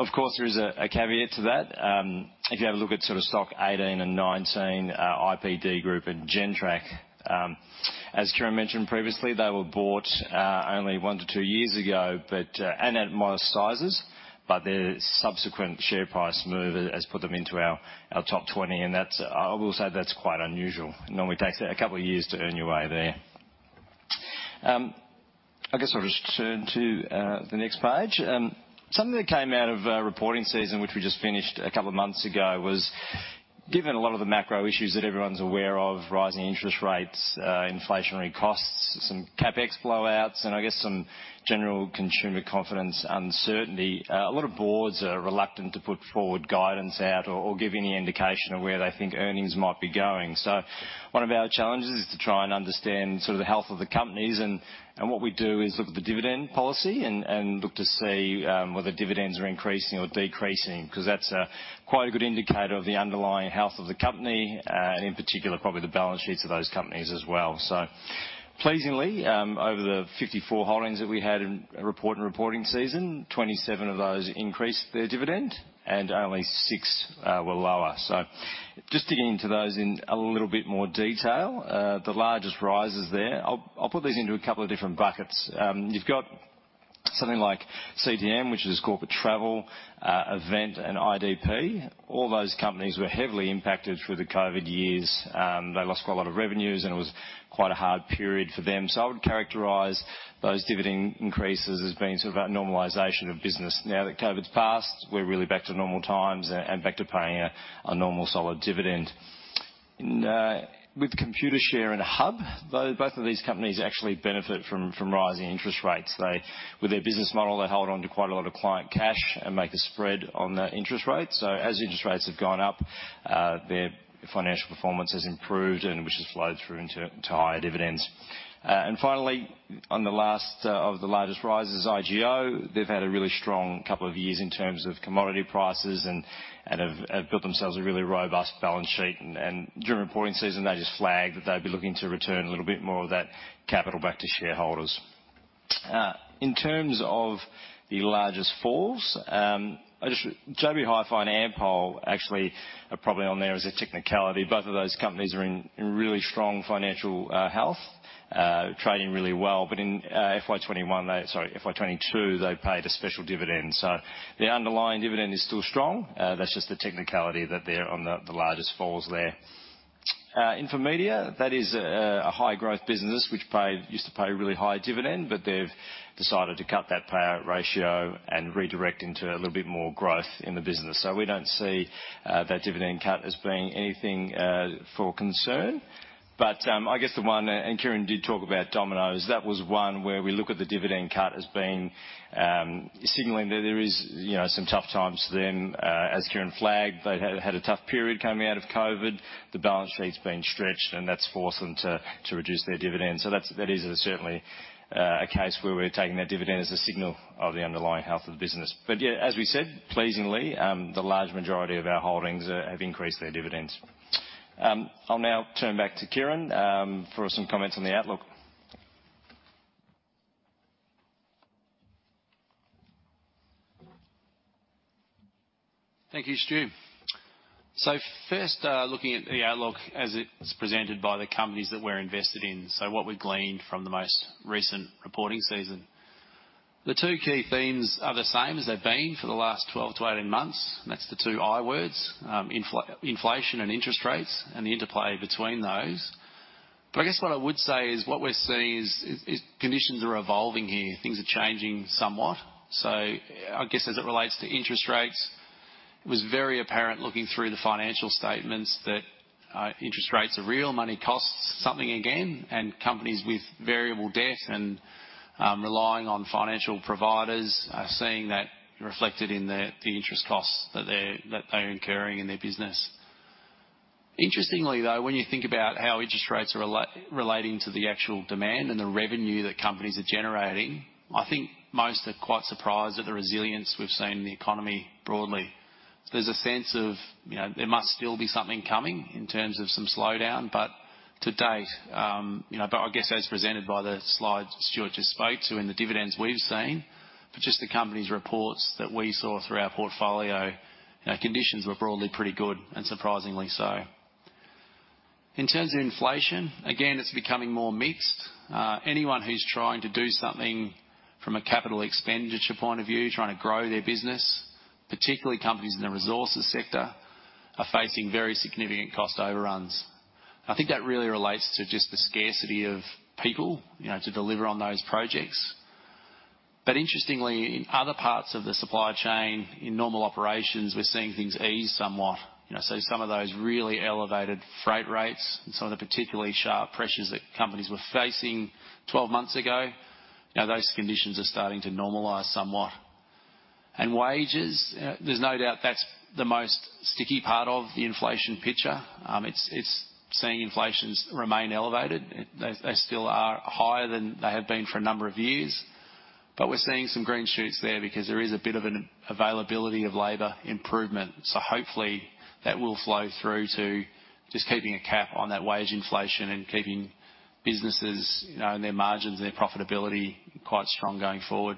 Of course, there is a caveat to that. If you have a look at sort of stock 18 and 19, IPD Group and Gentrack. As Kieran mentioned previously, they were bought only one to two years ago, but and at modest sizes, but their subsequent share price move has put them into our, our top 20, and that's... I, I will say that's quite unusual. It normally takes a couple of years to earn your way there. I guess I'll just turn to the next page. Something that came out of reporting season, which we just finished a couple of months ago, was given a lot of the macro issues that everyone's aware of, rising interest rates, inflationary costs, some CapEx blowouts, and I guess some general consumer confidence, uncertainty. A lot of boards are reluctant to put forward guidance out or, or give any indication of where they think earnings might be going. So one of our challenges is to try and understand sort of the health of the companies, and what we do is look at the dividend policy and look to see whether dividends are increasing or decreasing, 'cause that's a quite a good indicator of the underlying health of the company, and in particular, probably the balance sheets of those companies as well. So pleasingly, over the 54 holdings that we had in reporting season, 27 of those increased their dividend and only six were lower. So just digging into those in a little bit more detail, the largest rises there. I'll put these into a couple of different buckets. You've got something like CTM, which is Corporate Travel Management, EVT and IDP. All those companies were heavily impacted through the COVID years. They lost quite a lot of revenues, and it was quite a hard period for them. So I would characterize those dividend increases as being sort of a normalization of business. Now that COVID's passed, we're really back to normal times and back to paying a normal solid dividend. And with Computershare and Hub, both of these companies actually benefit from rising interest rates. They, with their business model, they hold on to quite a lot of client cash and make a spread on the interest rates. So as interest rates have gone up, their financial performance has improved and which has flowed through into higher dividends. And finally, on the last of the largest rises, IGO, they've had a really strong couple of years in terms of commodity prices and have built themselves a really robust balance sheet. During reporting season, they just flagged that they'd be looking to return a little bit more of that capital back to shareholders. In terms of the largest falls, JB Hi-Fi and Ampol actually are probably on there as a technicality. Both of those companies are in really strong financial health, trading really well. But in FY 2021, they... Sorry, FY 2022, they paid a special dividend. So the underlying dividend is still strong. That's just the technicality that they're on the largest falls there. Infomedia, that is a high-growth business which paid, used to pay a really high dividend, but they've decided to cut that payout ratio and redirect into a little bit more growth in the business. So we don't see that dividend cut as being anything for concern. But, I guess the one, and Kieran did talk about Domino's, that was one where we look at the dividend cut as being signaling that there is, you know, some tough times for them. As Kieran flagged, they'd had a tough period coming out of COVID. The balance sheet's been stretched, and that's forced them to reduce their dividends. So that's, that is certainly a case where we're taking that dividend as a signal of the underlying health of the business. But yeah, as we said, pleasingly, the large majority of our holdings have increased their dividends. I'll now turn back to Kieran for some comments on the outlook. Thank you, Stu. So first, looking at the outlook as it's presented by the companies that we're invested in, so what we gleaned from the most recent reporting season. The two key themes are the same as they've been for the last 12-18 months. That's the two I words, inflation and interest rates and the interplay between those. But I guess what I would say is, what we're seeing is conditions are evolving here. Things are changing somewhat. So I guess as it relates to interest rates, it was very apparent looking through the financial statements that, interest rates are real. Money costs something again, and companies with variable debt and relying on financial providers are seeing that reflected in the interest costs that they're incurring in their business. Interestingly, though, when you think about how interest rates are relating to the actual demand and the revenue that companies are generating, I think most are quite surprised at the resilience we've seen in the economy broadly. So there's a sense of, you know, there must still be something coming in terms of some slowdown, but... to date, you know, but I guess as presented by the slides Stuart just spoke to in the dividends we've seen, but just the company's reports that we saw through our portfolio, conditions were broadly pretty good, and surprisingly so. In terms of inflation, again, it's becoming more mixed. Anyone who's trying to do something from a capital expenditure point of view, trying to grow their business, particularly companies in the resources sector, are facing very significant cost overruns. I think that really relates to just the scarcity of people, you know, to deliver on those projects. But interestingly, in other parts of the supply chain, in normal operations, we're seeing things ease somewhat. You know, so some of those really elevated freight rates and some of the particularly sharp pressures that companies were facing 12 months ago, now those conditions are starting to normalize somewhat. And wages, there's no doubt that's the most sticky part of the inflation picture. It's seeing inflation remain elevated. They still are higher than they have been for a number of years, but we're seeing some green shoots there because there is a bit of an availability of labor improvement. So hopefully, that will flow through to just keeping a cap on that wage inflation and keeping businesses, you know, and their margins and their profitability quite strong going forward.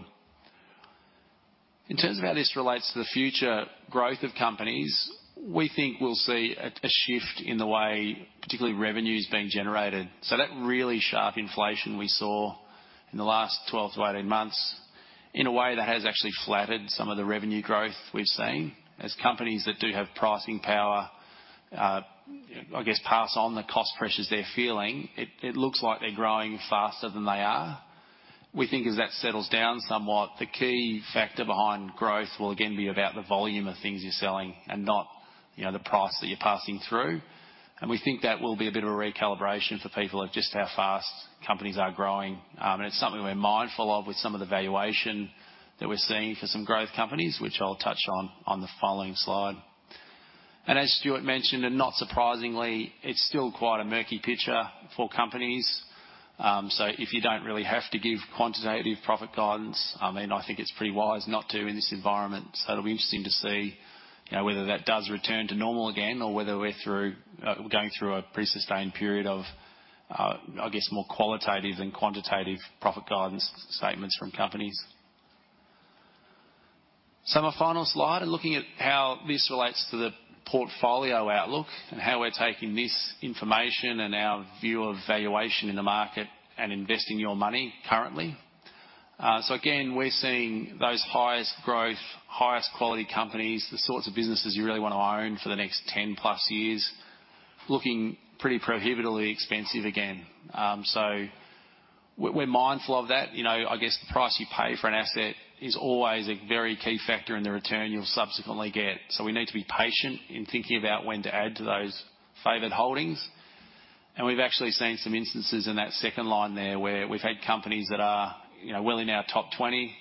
In terms of how this relates to the future growth of companies, we think we'll see a shift in the way particularly revenue is being generated. So that really sharp inflation we saw in the last 12-18 months, in a way that has actually flattered some of the revenue growth we've seen. As companies that do have pricing power, I guess, pass on the cost pressures they're feeling, it looks like they're growing faster than they are. We think as that settles down somewhat, the key factor behind growth will again be about the volume of things you're selling and not, you know, the price that you're passing through. And we think that will be a bit of a recalibration for people of just how fast companies are growing. And it's something we're mindful of with some of the valuation that we're seeing for some growth companies, which I'll touch on, on the following slide. And as Stuart mentioned, and not surprisingly, it's still quite a murky picture for companies. So if you don't really have to give quantitative profit guidance, I mean, I think it's pretty wise not to in this environment. So it'll be interesting to see, you know, whether that does return to normal again, or whether we're through, we're going through a pretty sustained period of, I guess, more qualitative than quantitative profit guidance statements from companies. So my final slide, and looking at how this relates to the portfolio outlook and how we're taking this information and our view of valuation in the market and investing your money currently. So again, we're seeing those highest growth, highest quality companies, the sorts of businesses you really wanna own for the next 10+ years, looking pretty prohibitively expensive again. So we're mindful of that. You know, I guess the price you pay for an asset is always a very key factor in the return you'll subsequently get. So we need to be patient in thinking about when to add to those favored holdings. We've actually seen some instances in that second line there, where we've had companies that are, you know, well in our top 20,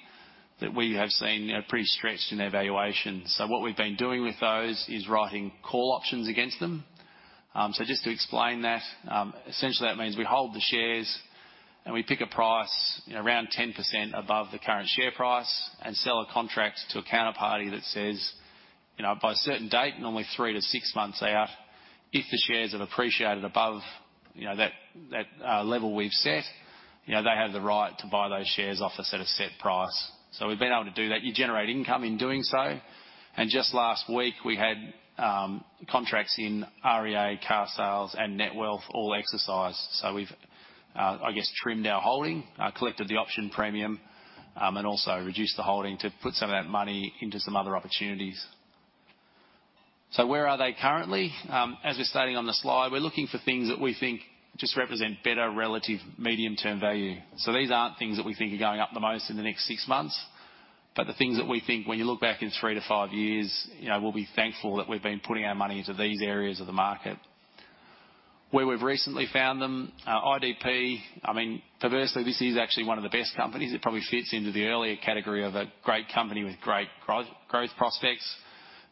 that we have seen, you know, pretty stretched in their valuation. So what we've been doing with those is writing call options against them. So just to explain that, essentially that means we hold the shares and we pick a price around 10% above the current share price and sell a contract to a counterparty that says, you know, by a certain date, normally three to six months out, if the shares have appreciated above, you know, that level we've set, you know, they have the right to buy those shares off us at a set price. So we've been able to do that. You generate income in doing so. And just last week, we had contracts in REA, Carsales, and Netwealth all exercised. So we've, I guess, trimmed our holding, collected the option premium, and also reduced the holding to put some of that money into some other opportunities. So where are they currently? As we're stating on the slide, we're looking for things that we think just represent better relative medium-term value. So these aren't things that we think are going up the most in the next six months, but the things that we think when you look back in three to five years, you know, we'll be thankful that we've been putting our money into these areas of the market. Where we've recently found them, IDP, I mean, perversely, this is actually one of the best companies. It probably fits into the earlier category of a great company with great growth prospects,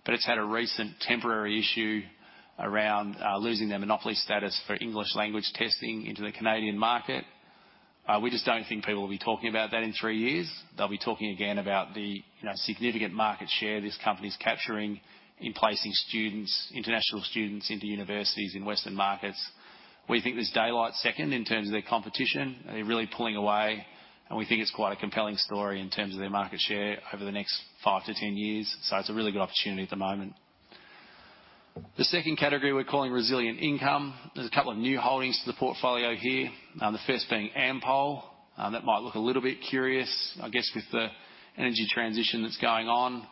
but it's had a recent temporary issue around losing their monopoly status for English language testing into the Canadian market. We just don't think people will be talking about that in three years. They'll be talking again about the, you know, significant market share this company's capturing in placing students, international students into universities in Western markets. We think there's daylight second in terms of their competition, and they're really pulling away, and we think it's quite a compelling story in terms of their market share over the next 5-10 years. So it's a really good opportunity at the moment. The second category we're calling Resilient Income. There's a couple of new holdings to the portfolio here, the first being Ampol. That might look a little bit curious, I guess, with the energy transition that's going on,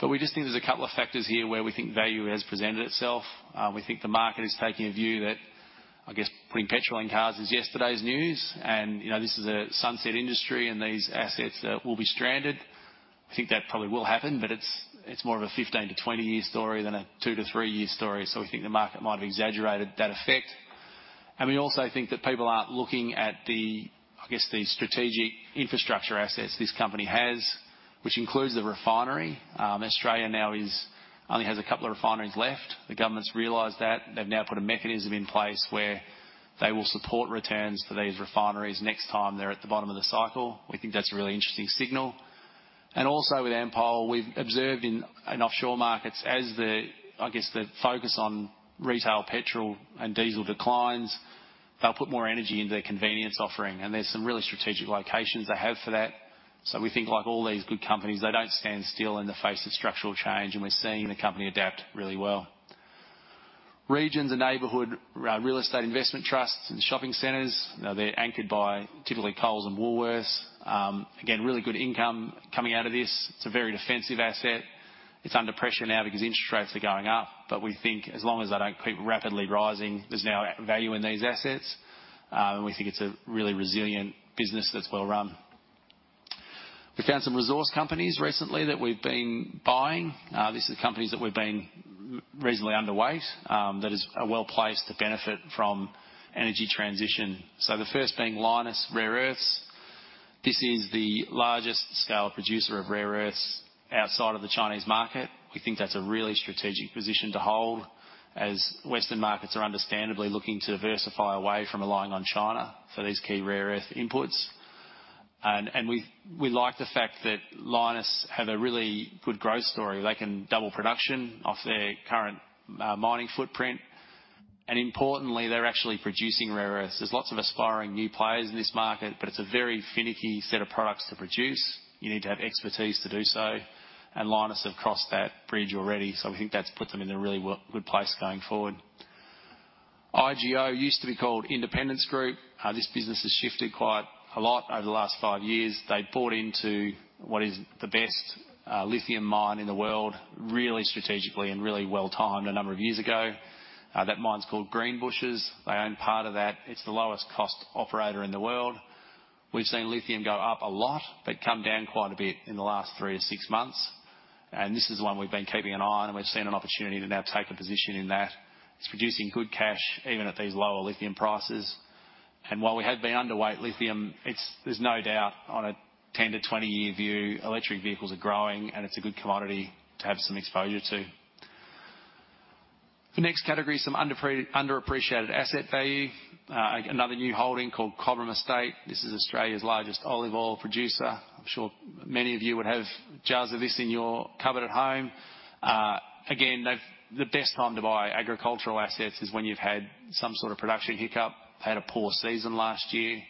but we just think there's a couple of factors here where we think value has presented itself. We think the market is taking a view that, I guess, putting petrol in cars is yesterday's news, and, you know, this is a sunset industry, and these assets will be stranded. I think that probably will happen, but it's, it's more of a 15-20-year story than a 2-3-year story, so we think the market might have exaggerated that effect. We also think that people aren't looking at the, I guess, the strategic infrastructure assets this company has, which includes the refinery. Australia now is only a couple of refineries left. The government's realized that. They've now put a mechanism in place where they will support returns for these refineries next time they're at the bottom of the cycle. We think that's a really interesting signal. And also with Ampol, we've observed in offshore markets as the, I guess, the focus on retail petrol and diesel declines, they'll put more energy into their convenience offering, and there's some really strategic locations they have for that. So we think like all these good companies, they don't stand still in the face of structural change, and we're seeing the company adapt really well. Regional and neighborhood real estate investment trusts and shopping centers, they're anchored by typically Coles and Woolies. Again, really good income coming out of this. It's a very defensive asset. It's under pressure now because interest rates are going up, but we think as long as they don't keep rapidly rising, there's now value in these assets. And we think it's a really resilient business that's well run. We found some resource companies recently that we've been buying. This is companies that we've been reasonably underweight, that is, are well placed to benefit from energy transition. So the first being Lynas Rare Earths. This is the largest scale producer of rare earths outside of the Chinese market. We think that's a really strategic position to hold, as Western markets are understandably looking to diversify away from relying on China for these key rare earth inputs. And we like the fact that Lynas have a really good growth story. They can double production off their current mining footprint, and importantly, they're actually producing rare earths. There's lots of aspiring new players in this market, but it's a very finicky set of products to produce. You need to have expertise to do so, and Lynas have crossed that bridge already, so we think that's put them in a really good place going forward. IGO used to be called Independence Group. This business has shifted quite a lot over the last five years. They bought into what is the best, lithium mine in the world, really strategically and really well-timed a number of years ago. That mine's called Greenbushes. They own part of that. It's the lowest cost operator in the world. We've seen lithium go up a lot, but come down quite a bit in the last three to six months. And this is one we've been keeping an eye on, and we've seen an opportunity to now take a position in that. It's producing good cash, even at these lower lithium prices. And while we have been underweight lithium, it's, there's no doubt on a 10-20-year view, electric vehicles are growing, and it's a good commodity to have some exposure to. The next category is some underappreciated asset value. Another new holding called Cobram Estate. This is Australia's largest olive oil producer. I'm sure many of you would have jars of this in your cupboard at home. Again, the best time to buy agricultural assets is when you've had some sort of production hiccup. Had a poor season last year.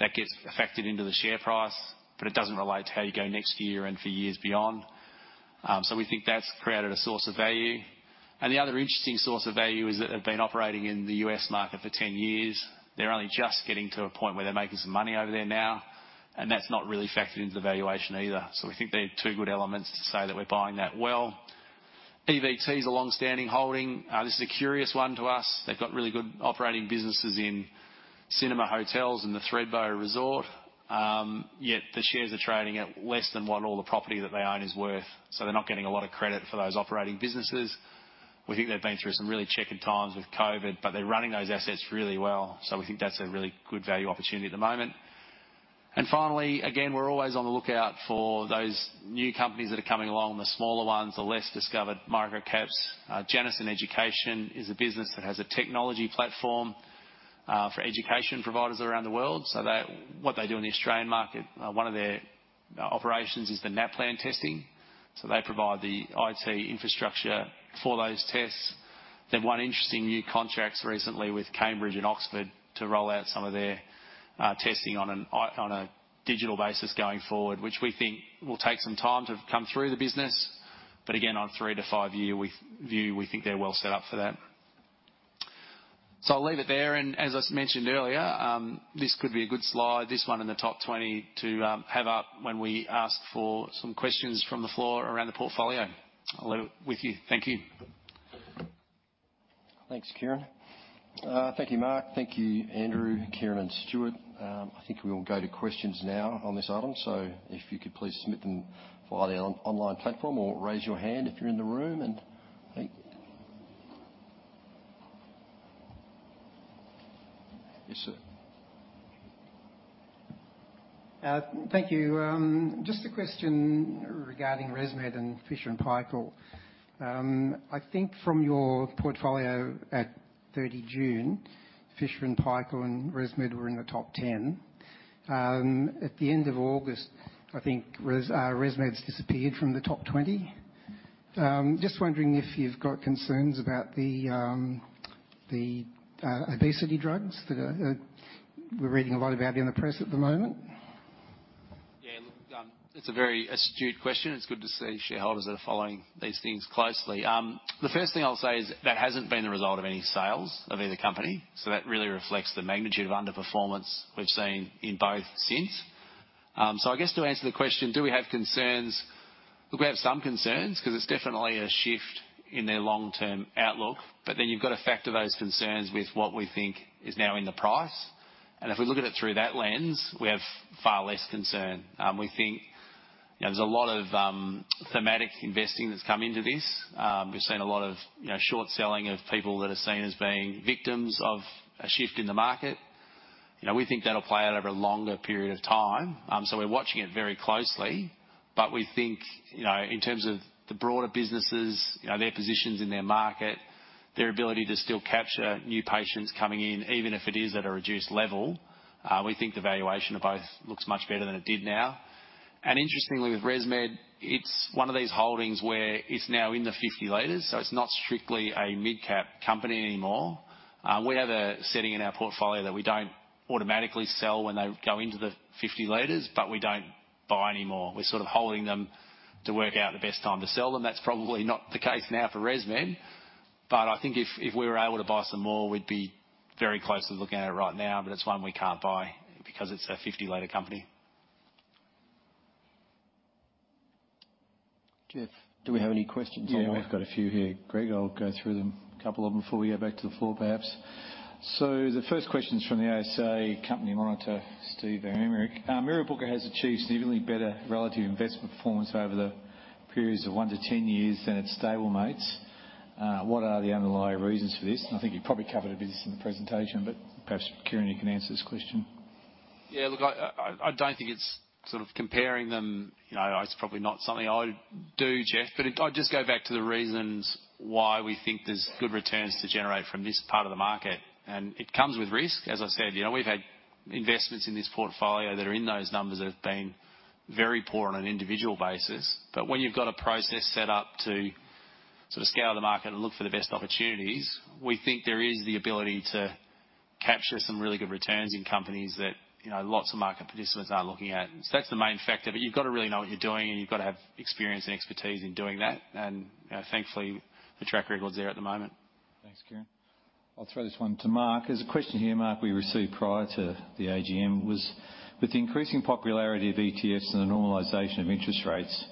That gets factored into the share price, but it doesn't relate to how you go next year and for years beyond. So we think that's created a source of value. The other interesting source of value is that they've been operating in the U.S. market for 10 years. They're only just getting to a point where they're making some money over there now, and that's not really factored into the valuation either. So we think there are two good elements to say that we're buying that well. EVT is a long-standing holding. This is a curious one to us. They've got really good operating businesses in cinema, hotels, and the Thredbo Resort. Yet the shares are trading at less than what all the property that they own is worth, so they're not getting a lot of credit for those operating businesses. We think they've been through some really checkered times with COVID, but they're running those assets really well, so we think that's a really good value opportunity at the moment. And finally, again, we're always on the lookout for those new companies that are coming along, the smaller ones, the less discovered micro caps. Janison Education is a business that has a technology platform for education providers around the world. So they what they do in the Australian market, one of their operations is the NAPLAN testing. So they provide the IT infrastructure for those tests. They've won interesting new contracts recently with Cambridge and Oxford to roll out some of their testing on a digital basis going forward, which we think will take some time to come through the business. But again, on a 3-5 year view, we think they're well set up for that. So I'll leave it there, and as I mentioned earlier, this could be a good slide, this one in the top 20, to have up when we ask for some questions from the floor around the portfolio. I'll leave it with you. Thank you. Thanks, Kieran. Thank you, Mark. Thank you, Andrew, Kieran, and Stuart. I think we will go to questions now on this item, so if you could please submit them via the online platform or raise your hand if you're in the room, and thank. Yes, sir. Thank you. Just a question regarding ResMed and Fisher & Paykel. I think from your portfolio at 30 June, Fisher & Paykel and ResMed were in the top 10. At the end of August, I think ResMed's disappeared from the top 20. Just wondering if you've got concerns about the obesity drugs that we're reading a lot about in the press at the moment? Yeah, look, it's a very astute question. It's good to see shareholders that are following these things closely. The first thing I'll say is that hasn't been the result of any sales of either company, so that really reflects the magnitude of underperformance we've seen in both since. So I guess to answer the question, do we have concerns? Look, we have some concerns because it's definitely a shift in their long-term outlook, but then you've got to factor those concerns with what we think is now in the price. If we look at it through that lens, we have far less concern. We think, you know, there's a lot of thematic investing that's come into this. We've seen a lot of, you know, short selling of people that are seen as being victims of a shift in the market. You know, we think that'll play out over a longer period of time. So we're watching it very closely, but we think, you know, in terms of the broader businesses, you know, their positions in their market, their ability to still capture new patients coming in, even if it is at a reduced level, we think the valuation of both looks much better than it did now. And interestingly, with ResMed, it's one of these holdings where it's now in the 50 Leaders, so it's not strictly a midcap company anymore. We have a setting in our portfolio that we don't automatically sell when they go into the 50 Leaders, but we don't buy any more. We're sort of holding them to work out the best time to sell them. That's probably not the case now for ResMed, but I think if we were able to buy some more, we'd be very closely looking at it right now, but it's one we can't buy because it's a 50 leader company. Geoff, do we have any questions? Yeah, we've got a few here, Greg. I'll go through them, a couple of them before we go back to the floor, perhaps. So the first question is from the ASA Company Monitor, Steve Emerick. "Mirrabooka has achieved significantly better relative investment performance over the periods of 1-10 years than its stablemates. What are the underlying reasons for this?" And I think you probably covered a bit of this in the presentation, but perhaps, Kieran, you can answer this question. Yeah, look, I don't think it's sort of comparing them. You know, it's probably not something I would do, Geoff, but I'd just go back to the reasons why we think there's good returns to generate from this part of the market. And it comes with risk. As I said, you know, we've had investments in this portfolio that are in those numbers that have been very poor on an individual basis. But when you've got a process set up to sort of scale the market and look for the best opportunities, we think there is the ability to capture some really good returns in companies that, you know, lots of market participants are looking at. So that's the main factor, but you've got to really know what you're doing, and you've got to have experience and expertise in doing that. Thankfully, the track record is there at the moment. Thanks, Kieran. I'll throw this one to Mark. There's a question here, Mark, we received prior to the AGM, was: "With the increasing popularity of ETFs and the normalization of interest rates,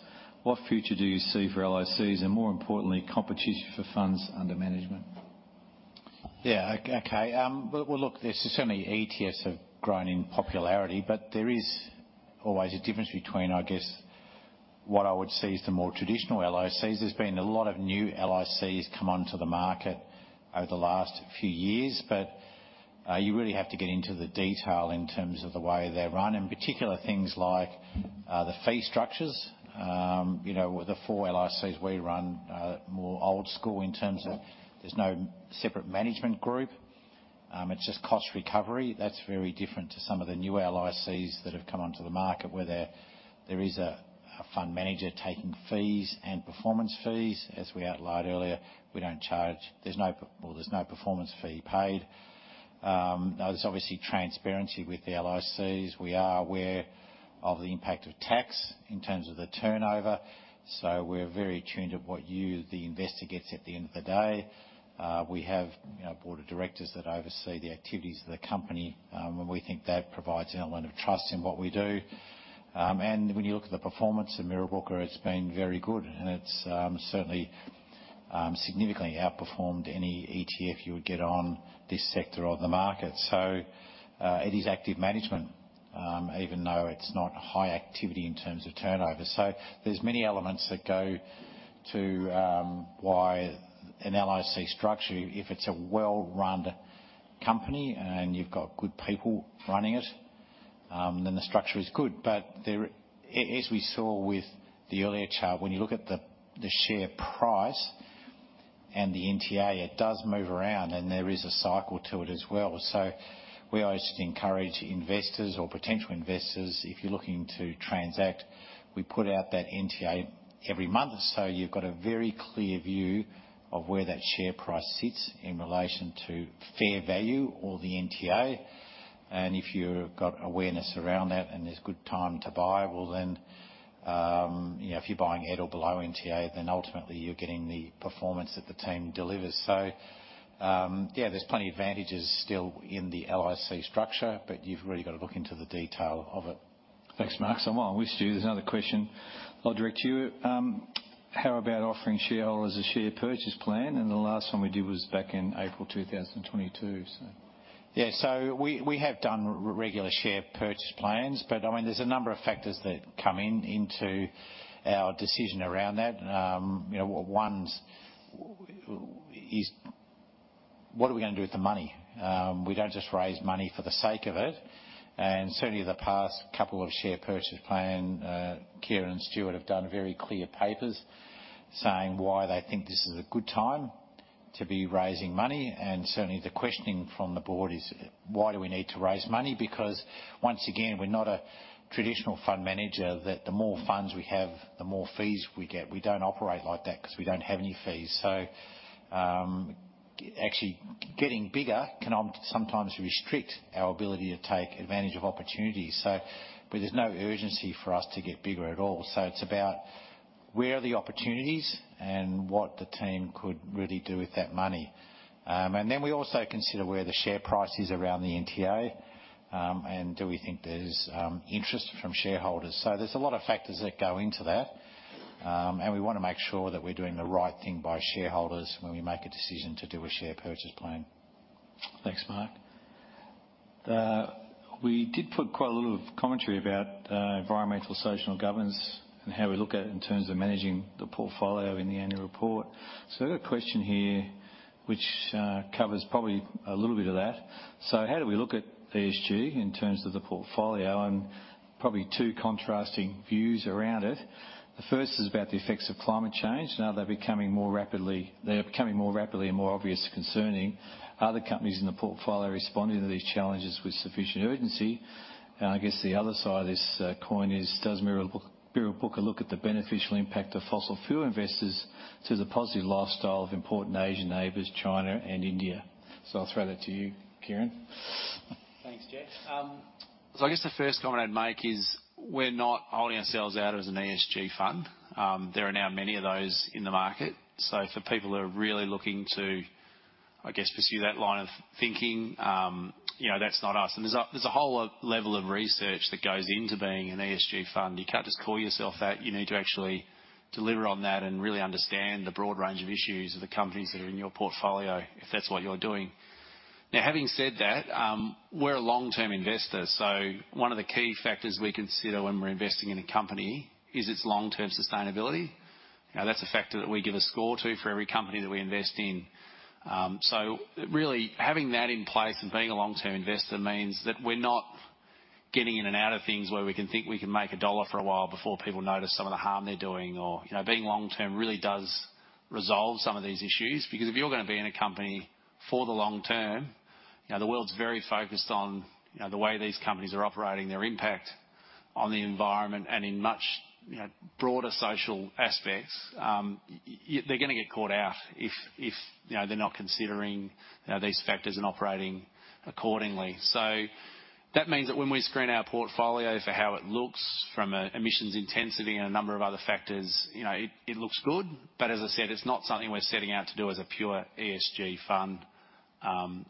what future do you see for LICs, and more importantly, competition for funds under management? Yeah, okay. Well, look, there's certainly ETFs have grown in popularity, but there is always a difference between, I guess, what I would see as the more traditional LICs. There's been a lot of new LICs come onto the market over the last few years, but you really have to get into the detail in terms of the way they're run, in particular, things like the fee structures. You know, the four LICs we run are more old school in terms of there's no separate management group. It's just cost recovery. That's very different to some of the new LICs that have come onto the market, where there is a fund manager taking fees and performance fees. As we outlined earlier, we don't charge..There's no, well, there's no performance fee paid. There's obviously transparency with the LICs. We are aware of the impact of tax in terms of the turnover, so we're very attuned to what you, the investor, gets at the end of the day. We have, you know, a board of directors that oversee the activities of the company, and we think that provides an element of trust in what we do. And when you look at the performance of Mirrabooka, it's been very good, and it's certainly significantly outperformed any ETF you would get on this sector of the market. So, it is active management, even though it's not high activity in terms of turnover. So there's many elements that go to why an LIC structure, if it's a well-run company and you've got good people running it, then the structure is good. There, as we saw with the earlier chart, when you look at the share price and the NTA, it does move around, and there is a cycle to it as well. We always encourage investors or potential investors, if you're looking to transact, we put out that NTA every month, so you've got a very clear view of where that share price sits in relation to fair value or the NTA. If you've got awareness around that and there's good time to buy, well, then, you know, if you're buying at or below NTA, then ultimately you're getting the performance that the team delivers. Yeah, there's plenty of advantages still in the LIC structure, but you've really got to look into the detail of it. Thanks, Mark. While we're with you, there's another question I'll direct to you. How about offering shareholders a share purchase plan? The last one we did was back in April 2022, so. Yeah, so we have done regular share purchase plans, but I mean, there's a number of factors that come into our decision around that. You know, one is what are we gonna do with the money? We don't just raise money for the sake of it, and certainly, the past couple of share purchase plans, Kieran and Stuart have done very clear papers saying why they think this is a good time to be raising money. And certainly, the questioning from the board is: Why do we need to raise money? Because, once again, we're not a traditional fund manager, that the more funds we have, the more fees we get. We don't operate like that because we don't have any fees. So, actually, getting bigger can sometimes restrict our ability to take advantage of opportunities, so but there's no urgency for us to get bigger at all. So it's about where are the opportunities and what the team could really do with that money. And then we also consider where the share price is around the NTA, and do we think there's interest from shareholders? So there's a lot of factors that go into that, and we wanna make sure that we're doing the right thing by shareholders when we make a decision to do a share purchase plan. Thanks, Mark. We did put quite a lot of commentary about Environmental, Social, Governance and how we look at it in terms of managing the portfolio in the annual report. So I've got a question here which covers probably a little bit of that. So how do we look at ESG in terms of the portfolio? And probably two contrasting views around it. ...The first is about the effects of climate change. Now they're becoming more rapidly and more obvious concerning, are the companies in the portfolio responding to these challenges with sufficient urgency? And I guess the other side of this, coin is, does Mirrabooka look at the beneficial impact of fossil fuel investors to the positive lifestyle of important Asian neighbors, China and India? So I'll throw that to you, Kieran. Thanks, Jeff. So I guess the first comment I'd make is we're not holding ourselves out as an ESG fund. There are now many of those in the market. So for people that are really looking to, I guess, pursue that line of thinking, you know, that's not us. And there's a, there's a whole other level of research that goes into being an ESG fund. You can't just call yourself that. You need to actually deliver on that and really understand the broad range of issues of the companies that are in your portfolio, if that's what you're doing. Now, having said that, we're a long-term investor, so one of the key factors we consider when we're investing in a company is its long-term sustainability. Now, that's a factor that we give a score to for every company that we invest in. So really, having that in place and being a long-term investor means that we're not getting in and out of things where we can think we can make a dollar for a while before people notice some of the harm they're doing, or, you know, being long-term really does resolve some of these issues. Because if you're gonna be in a company for the long term, you know, the world's very focused on, you know, the way these companies are operating, their impact on the environment, and in much, you know, broader social aspects. They're gonna get caught out if, you know, they're not considering, you know, these factors and operating accordingly. So that means that when we screen our portfolio for how it looks from a emissions intensity and a number of other factors, you know, it looks good. But as I said, it's not something we're setting out to do as a pure ESG fund.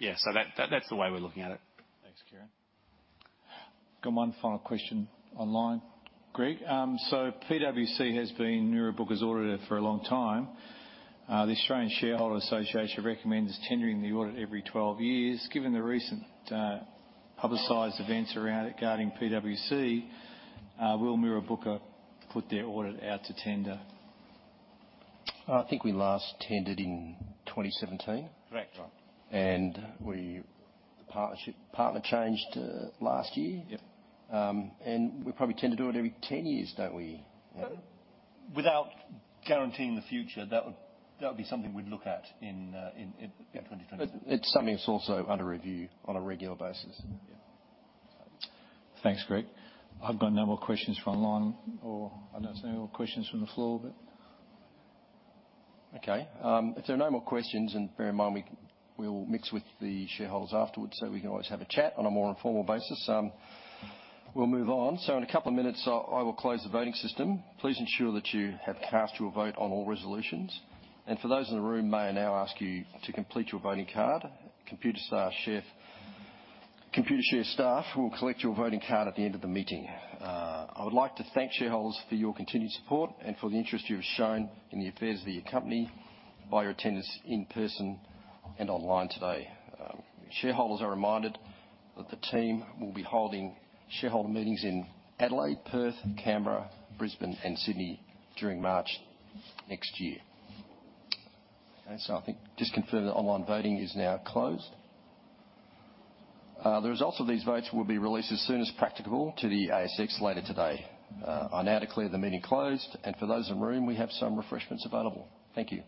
Yeah, so that, that's the way we're looking at it. Thanks, Kieran. Got one final question online. Greg, so PwC has been Mirrabooka's auditor for a long time. The Australian Shareholders' Association recommends tendering the audit every 12 years. Given the recent, publicized events around regarding PwC, will Mirrabooka put their audit out to tender? I think we last tendered in 2017. Correct. Right. The partnership partner changed last year. Yep. We probably tend to do it every 10 years, don't we? Without guaranteeing the future, that would be something we'd look at in 2020. It's something that's also under review on a regular basis. Yeah. Thanks, Greg. I've got no more questions from online or I notice any more questions from the floor, but... Okay, if there are no more questions, and bear in mind, we'll mix with the shareholders afterwards, so we can always have a chat on a more informal basis. We'll move on. So in a couple of minutes, I will close the voting system. Please ensure that you have cast your vote on all resolutions, and for those in the room, may I now ask you to complete your voting card? Computershare staff will collect your voting card at the end of the meeting. I would like to thank shareholders for your continued support and for the interest you've shown in the affairs of the company by your attendance in person and online today. Shareholders are reminded that the team will be holding shareholder meetings in Adelaide, Perth, Canberra, Brisbane and Sydney during March next year. Okay, so I think just confirm that online voting is now closed. The results of these votes will be released as soon as practicable to the ASX later today. I now declare the meeting closed, and for those in the room, we have some refreshments available. Thank you.